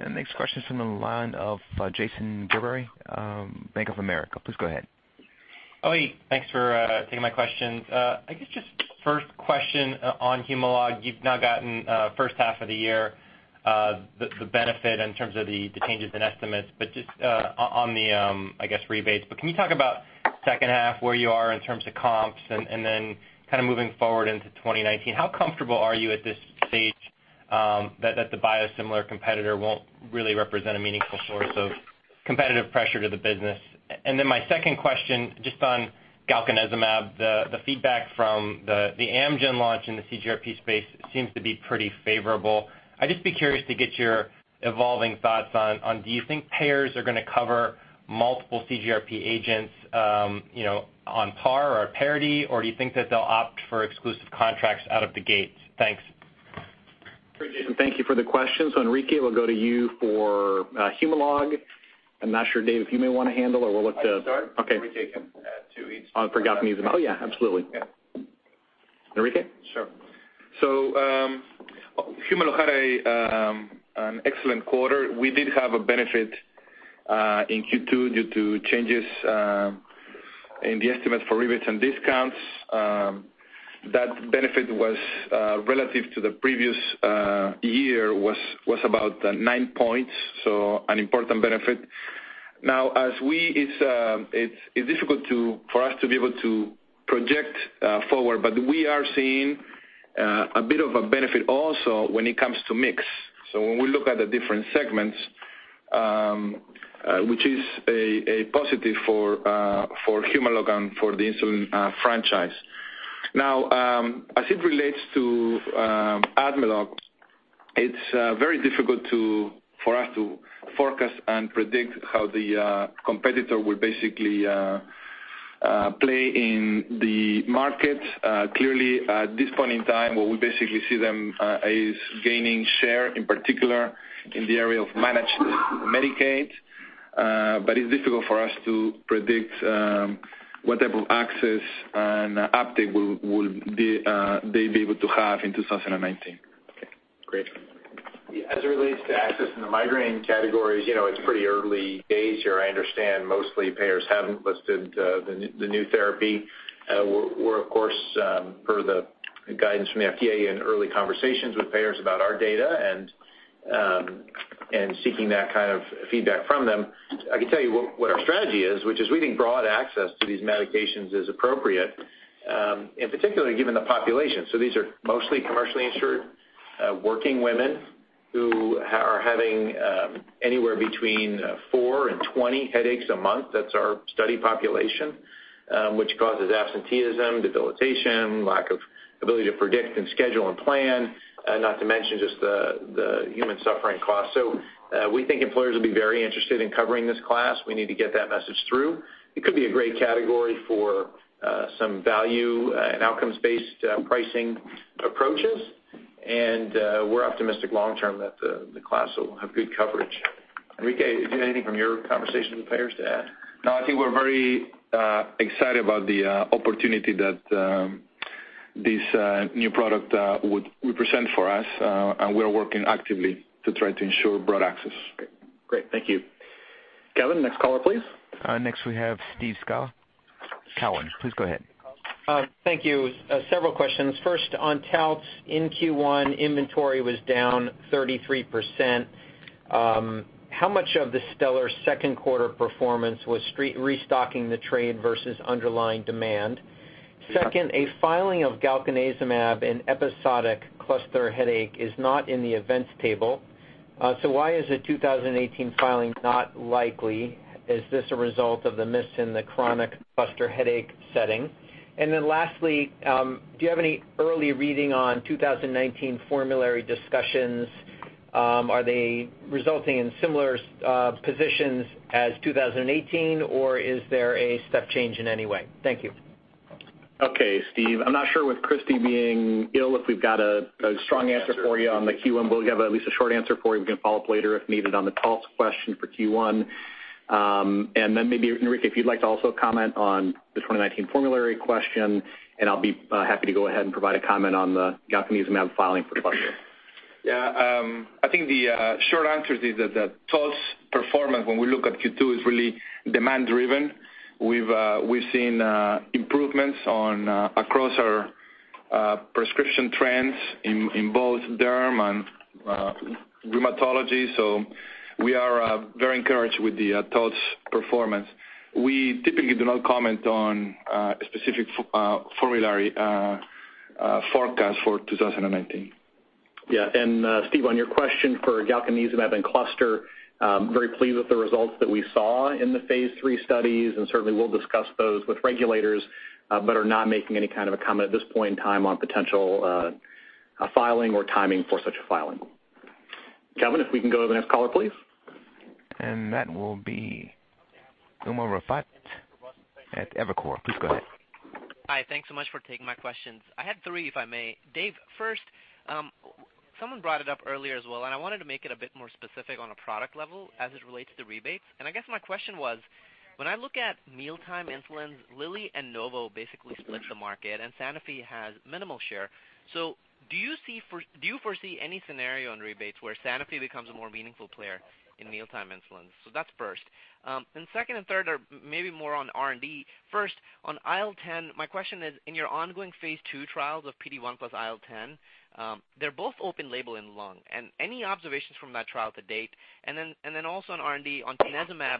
Next question is from the line of Jason Gerberry, Bank of America. Please go ahead. Eli, thanks for taking my questions. I guess just first question on Humalog. You've now gotten first half of the year the benefit in terms of the changes in estimates, just on the, I guess, rebates. Can you talk about second half, where you are in terms of comps, and then kind of moving forward into 2019, how comfortable are you at this stage that the biosimilar competitor won't really represent a meaningful source of competitive pressure to the business? My second question, just on galcanezumab, the feedback from the Amgen launch in the CGRP space seems to be pretty favorable. I'd just be curious to get your evolving thoughts on, do you think payers are going to cover multiple CGRP agents on par or parity, or do you think that they'll opt for exclusive contracts out of the gates? Thanks. Great, Jason. Thank you for the question. Enrique, we'll go to you for Humalog. I'm not sure, Dave, if you may want to handle or we'll let the I can start. Okay. Enrique can add to it. Oh, I forgot. Oh, yeah, absolutely. Yeah. Enrique? Sure. Humalog had an excellent quarter. We did have a benefit in Q2 due to changes in the estimate for rebates and discounts. That benefit was relative to the previous year, was about 9 points, an important benefit. It's difficult for us to be able to project forward, but we are seeing a bit of a benefit also when it comes to mix. When we look at the different segments, which is a positive for Humalog and for the insulin franchise. As it relates to Admelog, it's very difficult for us to forecast and predict how the competitor will basically play in the market. Clearly, at this point in time, what we basically see them is gaining share, in particular in the area of managed Medicaid. It's difficult for us to predict what type of access and uptake will they be able to have in 2019. Okay, great. As it relates to access in the migraine categories, it's pretty early days here. I understand mostly payers haven't listed the new therapy. We're, of course, per the guidance from the FDA in early conversations with payers about our data and seeking that kind of feedback from them. I can tell you what our strategy is, which is we think broad access to these medications is appropriate, particularly given the population. These are mostly commercially insured working women who are having anywhere between four and 20 headaches a month. That's our study population, which causes absenteeism, debilitation, lack of ability to predict and schedule and plan, not to mention just the human suffering cost. We think employers will be very interested in covering this class. We need to get that message through. It could be a great category for some value and outcomes-based pricing approaches. We're optimistic long term that the class will have good coverage. Enrique, did you have anything from your conversation with payers to add? No, I think we're very excited about the opportunity that this new product would present for us, and we are working actively to try to ensure broad access. Great. Thank you. Kevin, next caller, please. Next we have Steve Scala. Please go ahead. Thank you. Several questions. First, on Taltz, in Q1, inventory was down 33%. How much of the stellar second quarter performance was restocking the trade versus underlying demand? Second, a filing of galcanezumab in episodic cluster headache is not in the events table. Why is a 2018 filing not likely? Is this a result of the miss in the chronic cluster headache setting? Lastly, do you have any early reading on 2019 formulary discussions? Are they resulting in similar positions as 2018, or is there a step change in any way? Thank you. Okay, Steve, I'm not sure with Christi being ill if we've got a strong answer for you on the Q1. We'll have at least a short answer for you. We can follow up later if needed on the Taltz question for Q1. Maybe, Enrique, if you'd like to also comment on the 2019 formulary question, I'll be happy to go ahead and provide a comment on the galcanezumab filing for cluster. Yeah. I think the short answer is that Taltz performance, when we look at Q2, is really demand driven. We've seen improvements across our prescription trends in both derm and rheumatology. We are very encouraged with the Taltz performance. We typically do not comment on a specific formulary forecast for 2019. Yeah. Steve, on your question for galcanezumab in cluster, very pleased with the results that we saw in the phase III studies, certainly we'll discuss those with regulators, but are not making any kind of a comment at this point in time on potential filing or timing for such a filing. Kevin, if we can go to the next caller, please. That will be Umer Raffat at Evercore. Please go ahead. Hi. Thanks so much for taking my questions. I had three, if I may. Dave, first, someone brought it up earlier as well, I wanted to make it a bit more specific on a product level as it relates to rebates. I guess my question was, when I look at mealtime insulin, Lilly and Novo basically split the market, Sanofi has minimal share. Do you foresee any scenario on rebates where Sanofi becomes a more meaningful player in mealtime insulin? That's first. Second and third are maybe more on R&D. First, on IL-10, my question is, in your ongoing phase II trials of PD-1 plus IL-10, they're both open label and lung, any observations from that trial to date? Also on R&D, on tanezumab,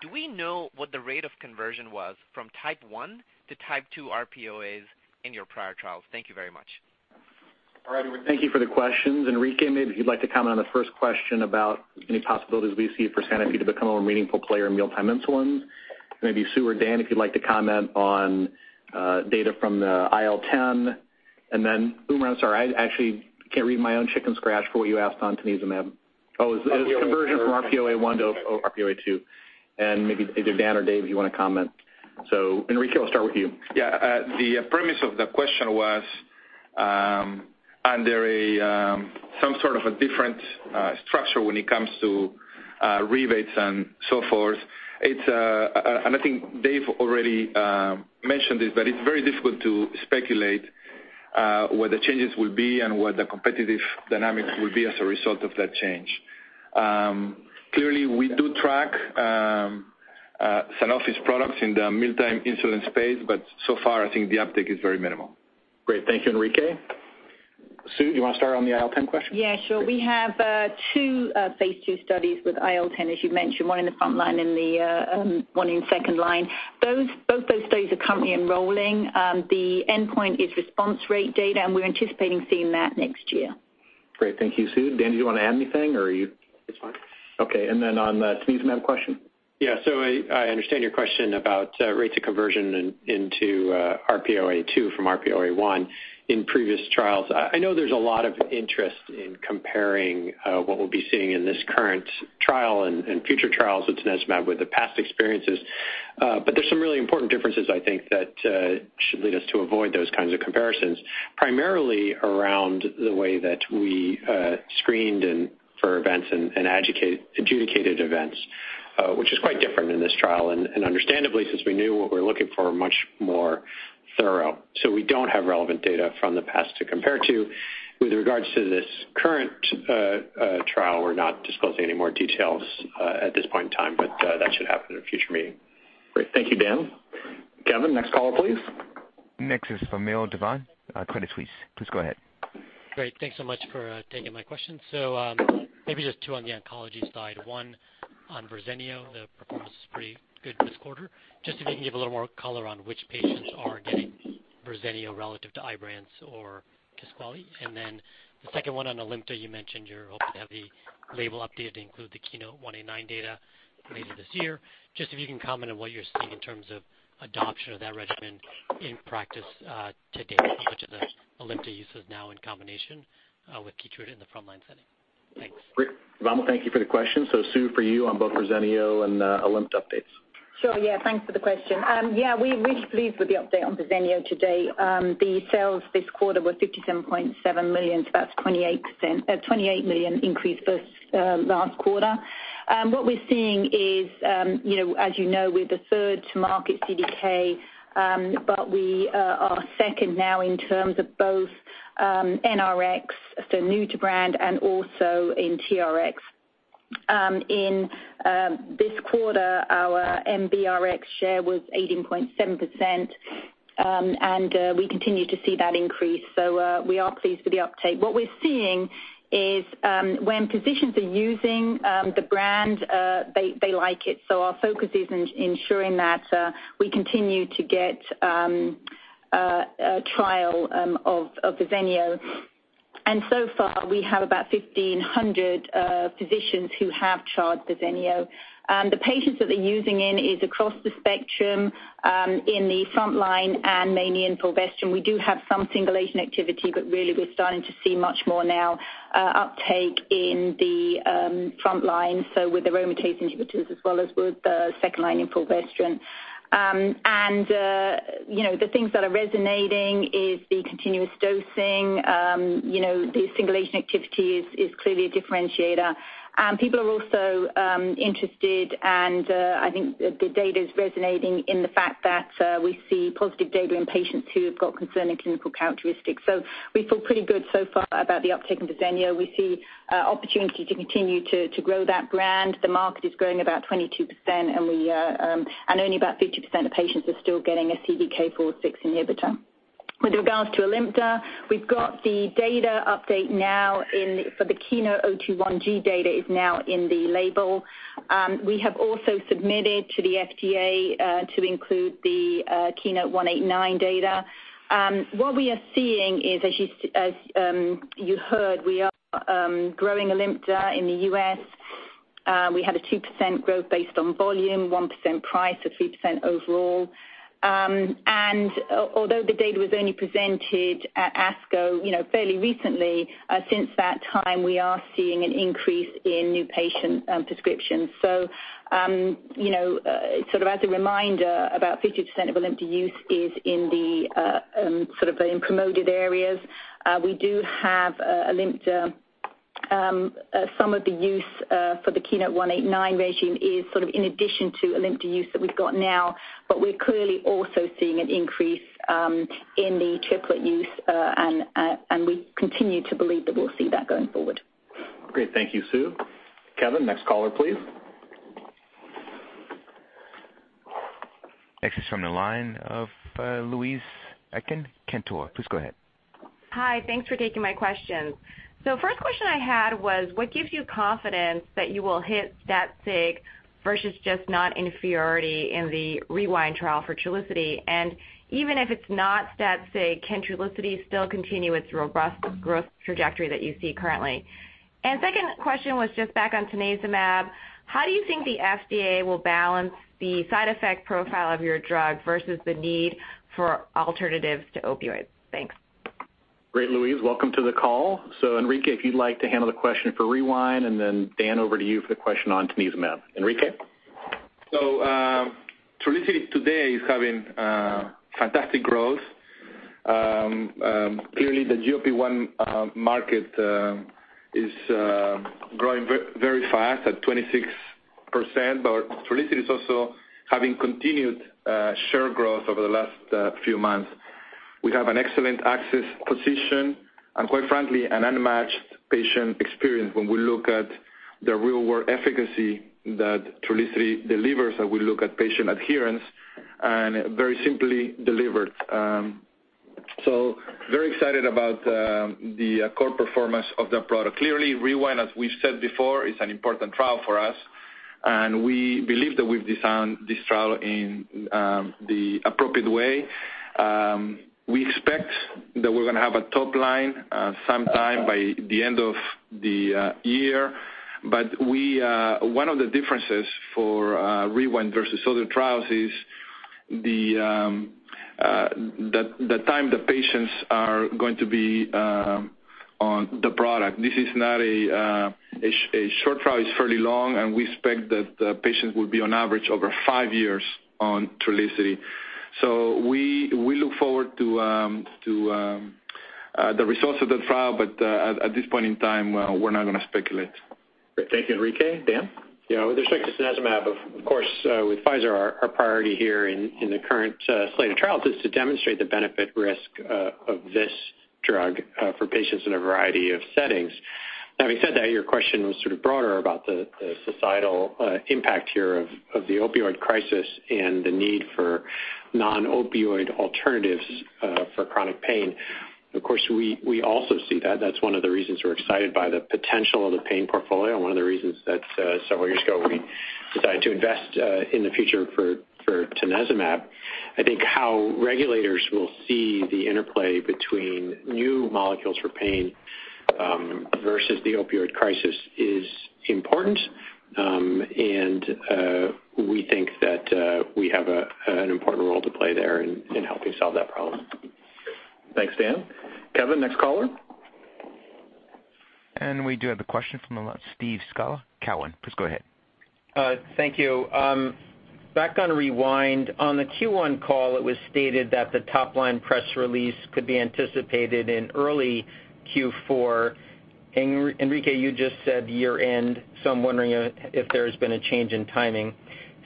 do we know what the rate of conversion was from type 1 to type 2 RPOAs in your prior trials? Thank you very much. All right, Umer. Thank you for the questions. Enrique, maybe if you'd like to comment on the first question about any possibilities we see for Sanofi to become a more meaningful player in mealtime insulin. Maybe Sue or Dan, if you'd like to comment on data from the IL-10. Umer, I'm sorry, I actually can't read my own chicken scratch for what you asked on tanezumab. Oh, is conversion from RPOA type 1 to RPOA type 2, maybe either Dan or Dave, if you want to comment. Enrique, I'll start with you. Yeah. The premise of the question was, under some sort of a different structure when it comes to rebates and so forth. I think Dave already mentioned this, but it's very difficult to speculate what the changes will be and what the competitive dynamics will be as a result of that change. Clearly, we do track Sanofi's products in the mealtime insulin space, but so far, I think the uptick is very minimal. Great. Thank you, Enrique. Sue, you want to start on the IL-10 question? Yeah, sure. We have two phase II studies with IL-10, as you mentioned, one in the front line and one in second line. Both those studies are currently enrolling. The endpoint is response rate data, we're anticipating seeing that next year. Great. Thank you, Sue. Dan, do you want to add anything? It's fine. Okay, on the tanezumab question. Yeah. I understand your question about rates of conversion into RPO-A2 from RPO-A1 in previous trials. I know there's a lot of interest in comparing what we'll be seeing in this current trial and future trials with tanezumab with the past experiences. There's some really important differences, I think, that should lead us to avoid those kinds of comparisons, primarily around the way that we screened for events and adjudicated events, which is quite different in this trial, and understandably, since we knew what we were looking for much more thorough. We don't have relevant data from the past to compare to. With regards to this current trial, we're not disclosing any more details at this point in time, but that should happen at a future meeting. Great. Thank you, Dan. Kevin, next caller, please. Next is for Vamil Divan, Credit Suisse. Please go ahead. Great. Thanks so much for taking my question. Maybe just two on the oncology side. One on Verzenio, the performance was pretty good this quarter. Just if you can give a little more color on which patients are getting Verzenio relative to IBRANCE or Kisqali. Then the second one on ALIMTA, you mentioned you're hoping to have the label update to include the KEYNOTE-189 data later this year. Just if you can comment on what you're seeing in terms of adoption of that regimen in practice to date, how much of the ALIMTA use is now in combination with Keytruda in the frontline setting? Thanks. Great. Vamil, thank you for the question. Susan, for you on both Verzenio and ALIMTA updates. Sure. Thanks for the question. We're really pleased with the update on Verzenio today. The sales this quarter were $57.7 million, that's a $28 million increase versus last quarter. What we're seeing is, as you know, we're the third to market CDK, we are second now in terms of both NRX, new to brand, and also in TRX. In this quarter, our NBRx share was 18.7%, we continue to see that increase. We are pleased with the uptake. What we're seeing is when physicians are using the brand, they like it. Our focus is ensuring that we continue to get a trial of Verzenio. So far, we have about 1,500 physicians who have charged Verzenio. The patients that they're using in is across the spectrum in the front line and mainly in fulvestrant. We do have some single agent activity, really we're starting to see much more now uptake in the front line, with aromatase inhibitors as well as with the second line in fulvestrant. The things that are resonating is the continuous dosing. The single agent activity is clearly a differentiator. People are also interested, I think the data is resonating in the fact that we see positive data in patients who have got concerning clinical characteristics. We feel pretty good so far about the uptake in Verzenio. We see opportunity to continue to grow that brand. The market is growing about 22%, only about 50% of patients are still getting a CDK4/6 inhibitor. With regards to ALIMTA, we've got the data update now for the KEYNOTE-021, Cohort G data is now in the label. We have also submitted to the FDA to include the KEYNOTE-189 data. What we are seeing is, as you heard, we are growing ALIMTA in the U.S. We have a 2% growth based on volume, 1% price, so 3% overall. Although the data was only presented at ASCO fairly recently, since that time, we are seeing an increase in new patient prescriptions. As a reminder, about 50% of ALIMTA use is in the promoted areas. We do have ALIMTA, some of the use for the KEYNOTE-189 regime is sort of in addition to ALIMTA use that we've got now, but we're clearly also seeing an increase in the triplet use, and we continue to believe that we'll see that going forward. Great. Thank you, Sue. Kevin, next caller, please. Next is from the line of Louise Chen, Cantor Fitzgerald. Please go ahead. Hi. Thanks for taking my questions. First question I had was, what gives you confidence that you will hit that stat sig versus just not inferiority in the REWIND trial for Trulicity? Even if it's not stat sig, can Trulicity still continue its robust growth trajectory that you see currently? Second question was just back on tanezumab. How do you think the FDA will balance the side effect profile of your drug versus the need for alternatives to opioids? Thanks. Great, Louise. Welcome to the call. Enrique, if you'd like to handle the question for REWIND. Dan, over to you for the question on tanezumab. Enrique? Trulicity today is having fantastic growth. Clearly, the GLP-1 market is growing very fast at 26%, Trulicity is also having continued share growth over the last few months. We have an excellent access position and quite frankly, an unmatched patient experience when we look at the real-world efficacy that Trulicity delivers, and we look at patient adherence, and very simply delivered. Very excited about the core performance of that product. Clearly, REWIND, as we've said before, is an important trial for us, we believe that we've designed this trial in the appropriate way. We expect that we're going to have a top line sometime by the end of the year. One of the differences for REWIND versus other trials is the time the patients are going to be on the product. This is not a short trial, it's fairly long, we expect that the patients will be on average over five years on Trulicity. We look forward to the results of that trial. At this point in time, we're not going to speculate. Great. Thank you, Enrique. Dan? Yeah. With respect to tanezumab, of course, with Pfizer, our priority here in the current slate of trials is to demonstrate the benefit-risk of this drug for patients in a variety of settings. Now, having said that, your question was sort of broader about the societal impact here of the opioid crisis and the need for non-opioid alternatives for chronic pain. Of course, we also see that. That's one of the reasons we're excited by the potential of the pain portfolio and one of the reasons that several years ago we decided to invest in the future for tanezumab. We think that we have an important role to play there in helping solve that problem. Thanks, Dan. Kevin, next caller. We do have a question from Steve Scala, Cowen. Please go ahead. Thank you. Back on REWIND. On the Q1 call, it was stated that the top-line press release could be anticipated in early Q4. Enrique, you just said year-end, so I'm wondering if there's been a change in timing.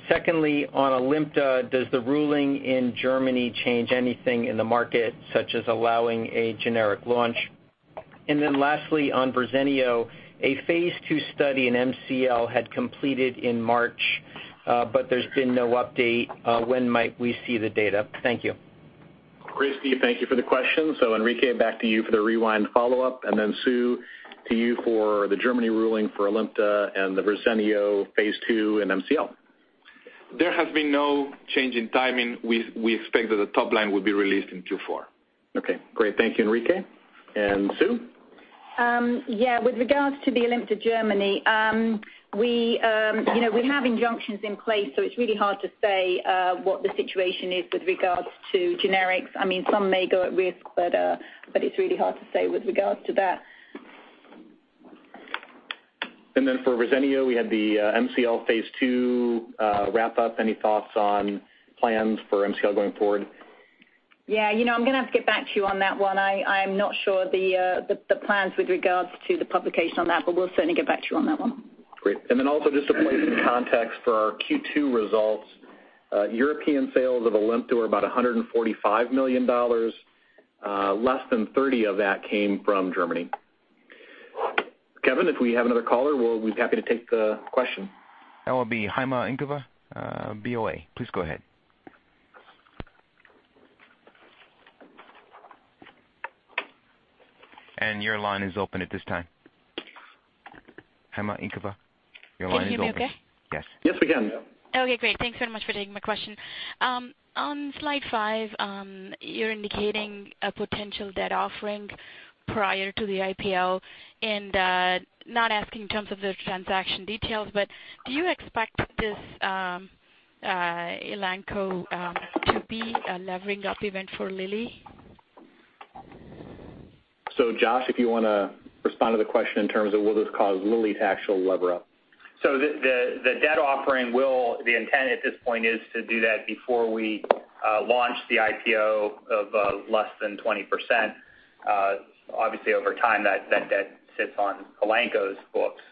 Secondly, on ALIMTA, does the ruling in Germany change anything in the market, such as allowing a generic launch? Lastly, on Verzenio, a phase II study in MCL had completed in March, but there's been no update. When might we see the data? Thank you. Great, Steve. Thank you for the question. Enrique, back to you for the REWIND follow-up, and then Sue to you for the Germany ruling for ALIMTA and the Verzenio phase II in MCL. There has been no change in timing. We expect that the top line will be released in Q4. Okay, great. Thank you, Enrique. Sue? Yeah. With regards to the ALIMTA Germany, we have injunctions in place, it's really hard to say what the situation is with regards to generics. Some may go at risk, it's really hard to say with regards to that. For Verzenio, we had the MCL phase II wrap up. Any thoughts on plans for MCL going forward? Yeah. I'm going to have to get back to you on that one. I'm not sure of the plans with regards to the publication on that, we'll certainly get back to you on that one. Great. Also just to place in context for our Q2 results, European sales of ALIMTA were about $145 million. Less than $30 million of that came from Germany. Kevin, if we have another caller, we'd be happy to take the question. That will be Ying Huang, Bank of America. Please go ahead. Your line is open at this time. Ying Huang, your line is open. Can you hear me okay? Yes. Yes, we can. Okay, great. Thanks very much for taking my question. On slide five, you're indicating a potential debt offering prior to the IPO, not asking in terms of the transaction details, but do you expect this Elanco to be a levering up event for Lilly? Josh, if you want to respond to the question in terms of will this cause Lilly to actually lever up? The intent at this point is to do that before we launch the IPO of less than 20%. Obviously, over time, that debt sits on Elanco's books.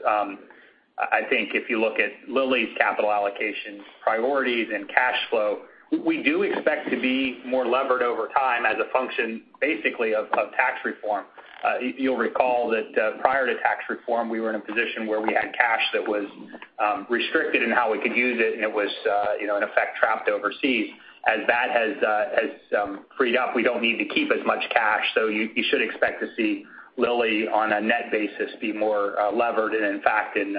I think if you look at Lilly's capital allocation priorities and cash flow, we do expect to be more levered over time as a function basically of tax reform. You'll recall that prior to tax reform, we were in a position where we had cash that was restricted in how we could use it, and it was in effect, trapped overseas. As that has freed up, we don't need to keep as much cash. You should expect to see Lilly, on a net basis, be more levered. In fact, in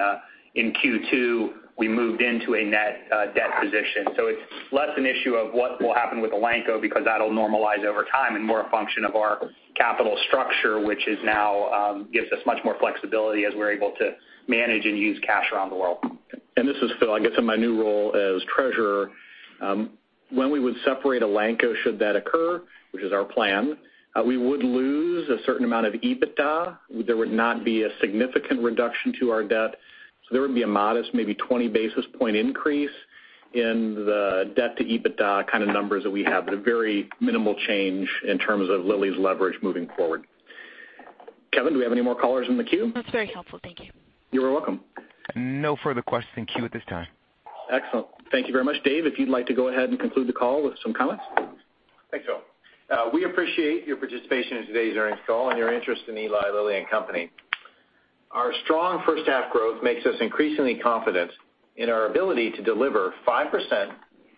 Q2, we moved into a net debt position. It's less an issue of what will happen with Elanco because that'll normalize over time and more a function of our capital structure, which now gives us much more flexibility as we're able to manage and use cash around the world. This is Phil, I guess in my new role as Treasurer. When we would separate Elanco, should that occur, which is our plan, we would lose a certain amount of EBITDA. There would not be a significant reduction to our debt. There would be a modest, maybe 20 basis point increase in the debt to EBITDA kind of numbers that we have, but a very minimal change in terms of Lilly's leverage moving forward. Kevin, do we have any more callers in the queue? That's very helpful. Thank you. You are welcome. No further questions in queue at this time. Excellent. Thank you very much. Dave, if you'd like to go ahead and conclude the call with some comments. Thanks, Phil. We appreciate your participation in today's earnings call and your interest in Eli Lilly and Company. Our strong first half growth makes us increasingly confident in our ability to deliver 5%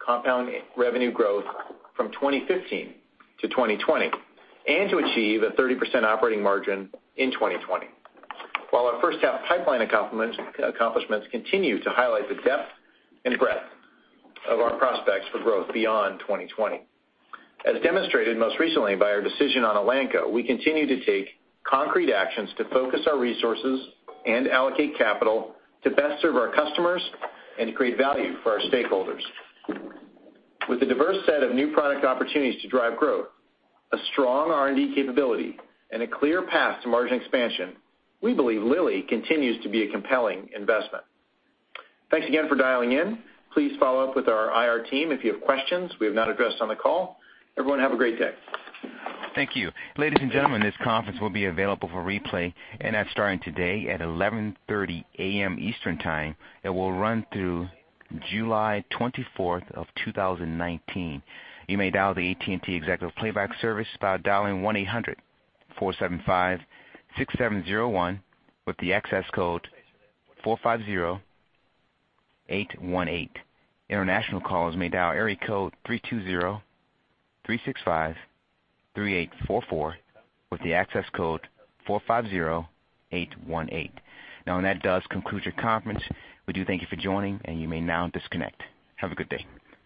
compound revenue growth from 2015 to 2020 and to achieve a 30% operating margin in 2020. While our first half pipeline accomplishments continue to highlight the depth and breadth of our prospects for growth beyond 2020. As demonstrated most recently by our decision on Elanco, we continue to take concrete actions to focus our resources and allocate capital to best serve our customers and to create value for our stakeholders. With a diverse set of new product opportunities to drive growth, a strong R&D capability, and a clear path to margin expansion, we believe Lilly continues to be a compelling investment. Thanks again for dialing in. Please follow up with our IR team if you have questions we have not addressed on the call. Everyone have a great day. Thank you. Ladies and gentlemen, this conference will be available for replay starting today at 11:30 A.M. Eastern Time. It will run through July 24, 2019. You may dial the AT&T Executive Playback service by dialing 1-800-475-6701 with the access code 450818. International callers may dial area code 320-365-3844 with the access code 450818. That does conclude your conference. We do thank you for joining, and you may now disconnect. Have a good day.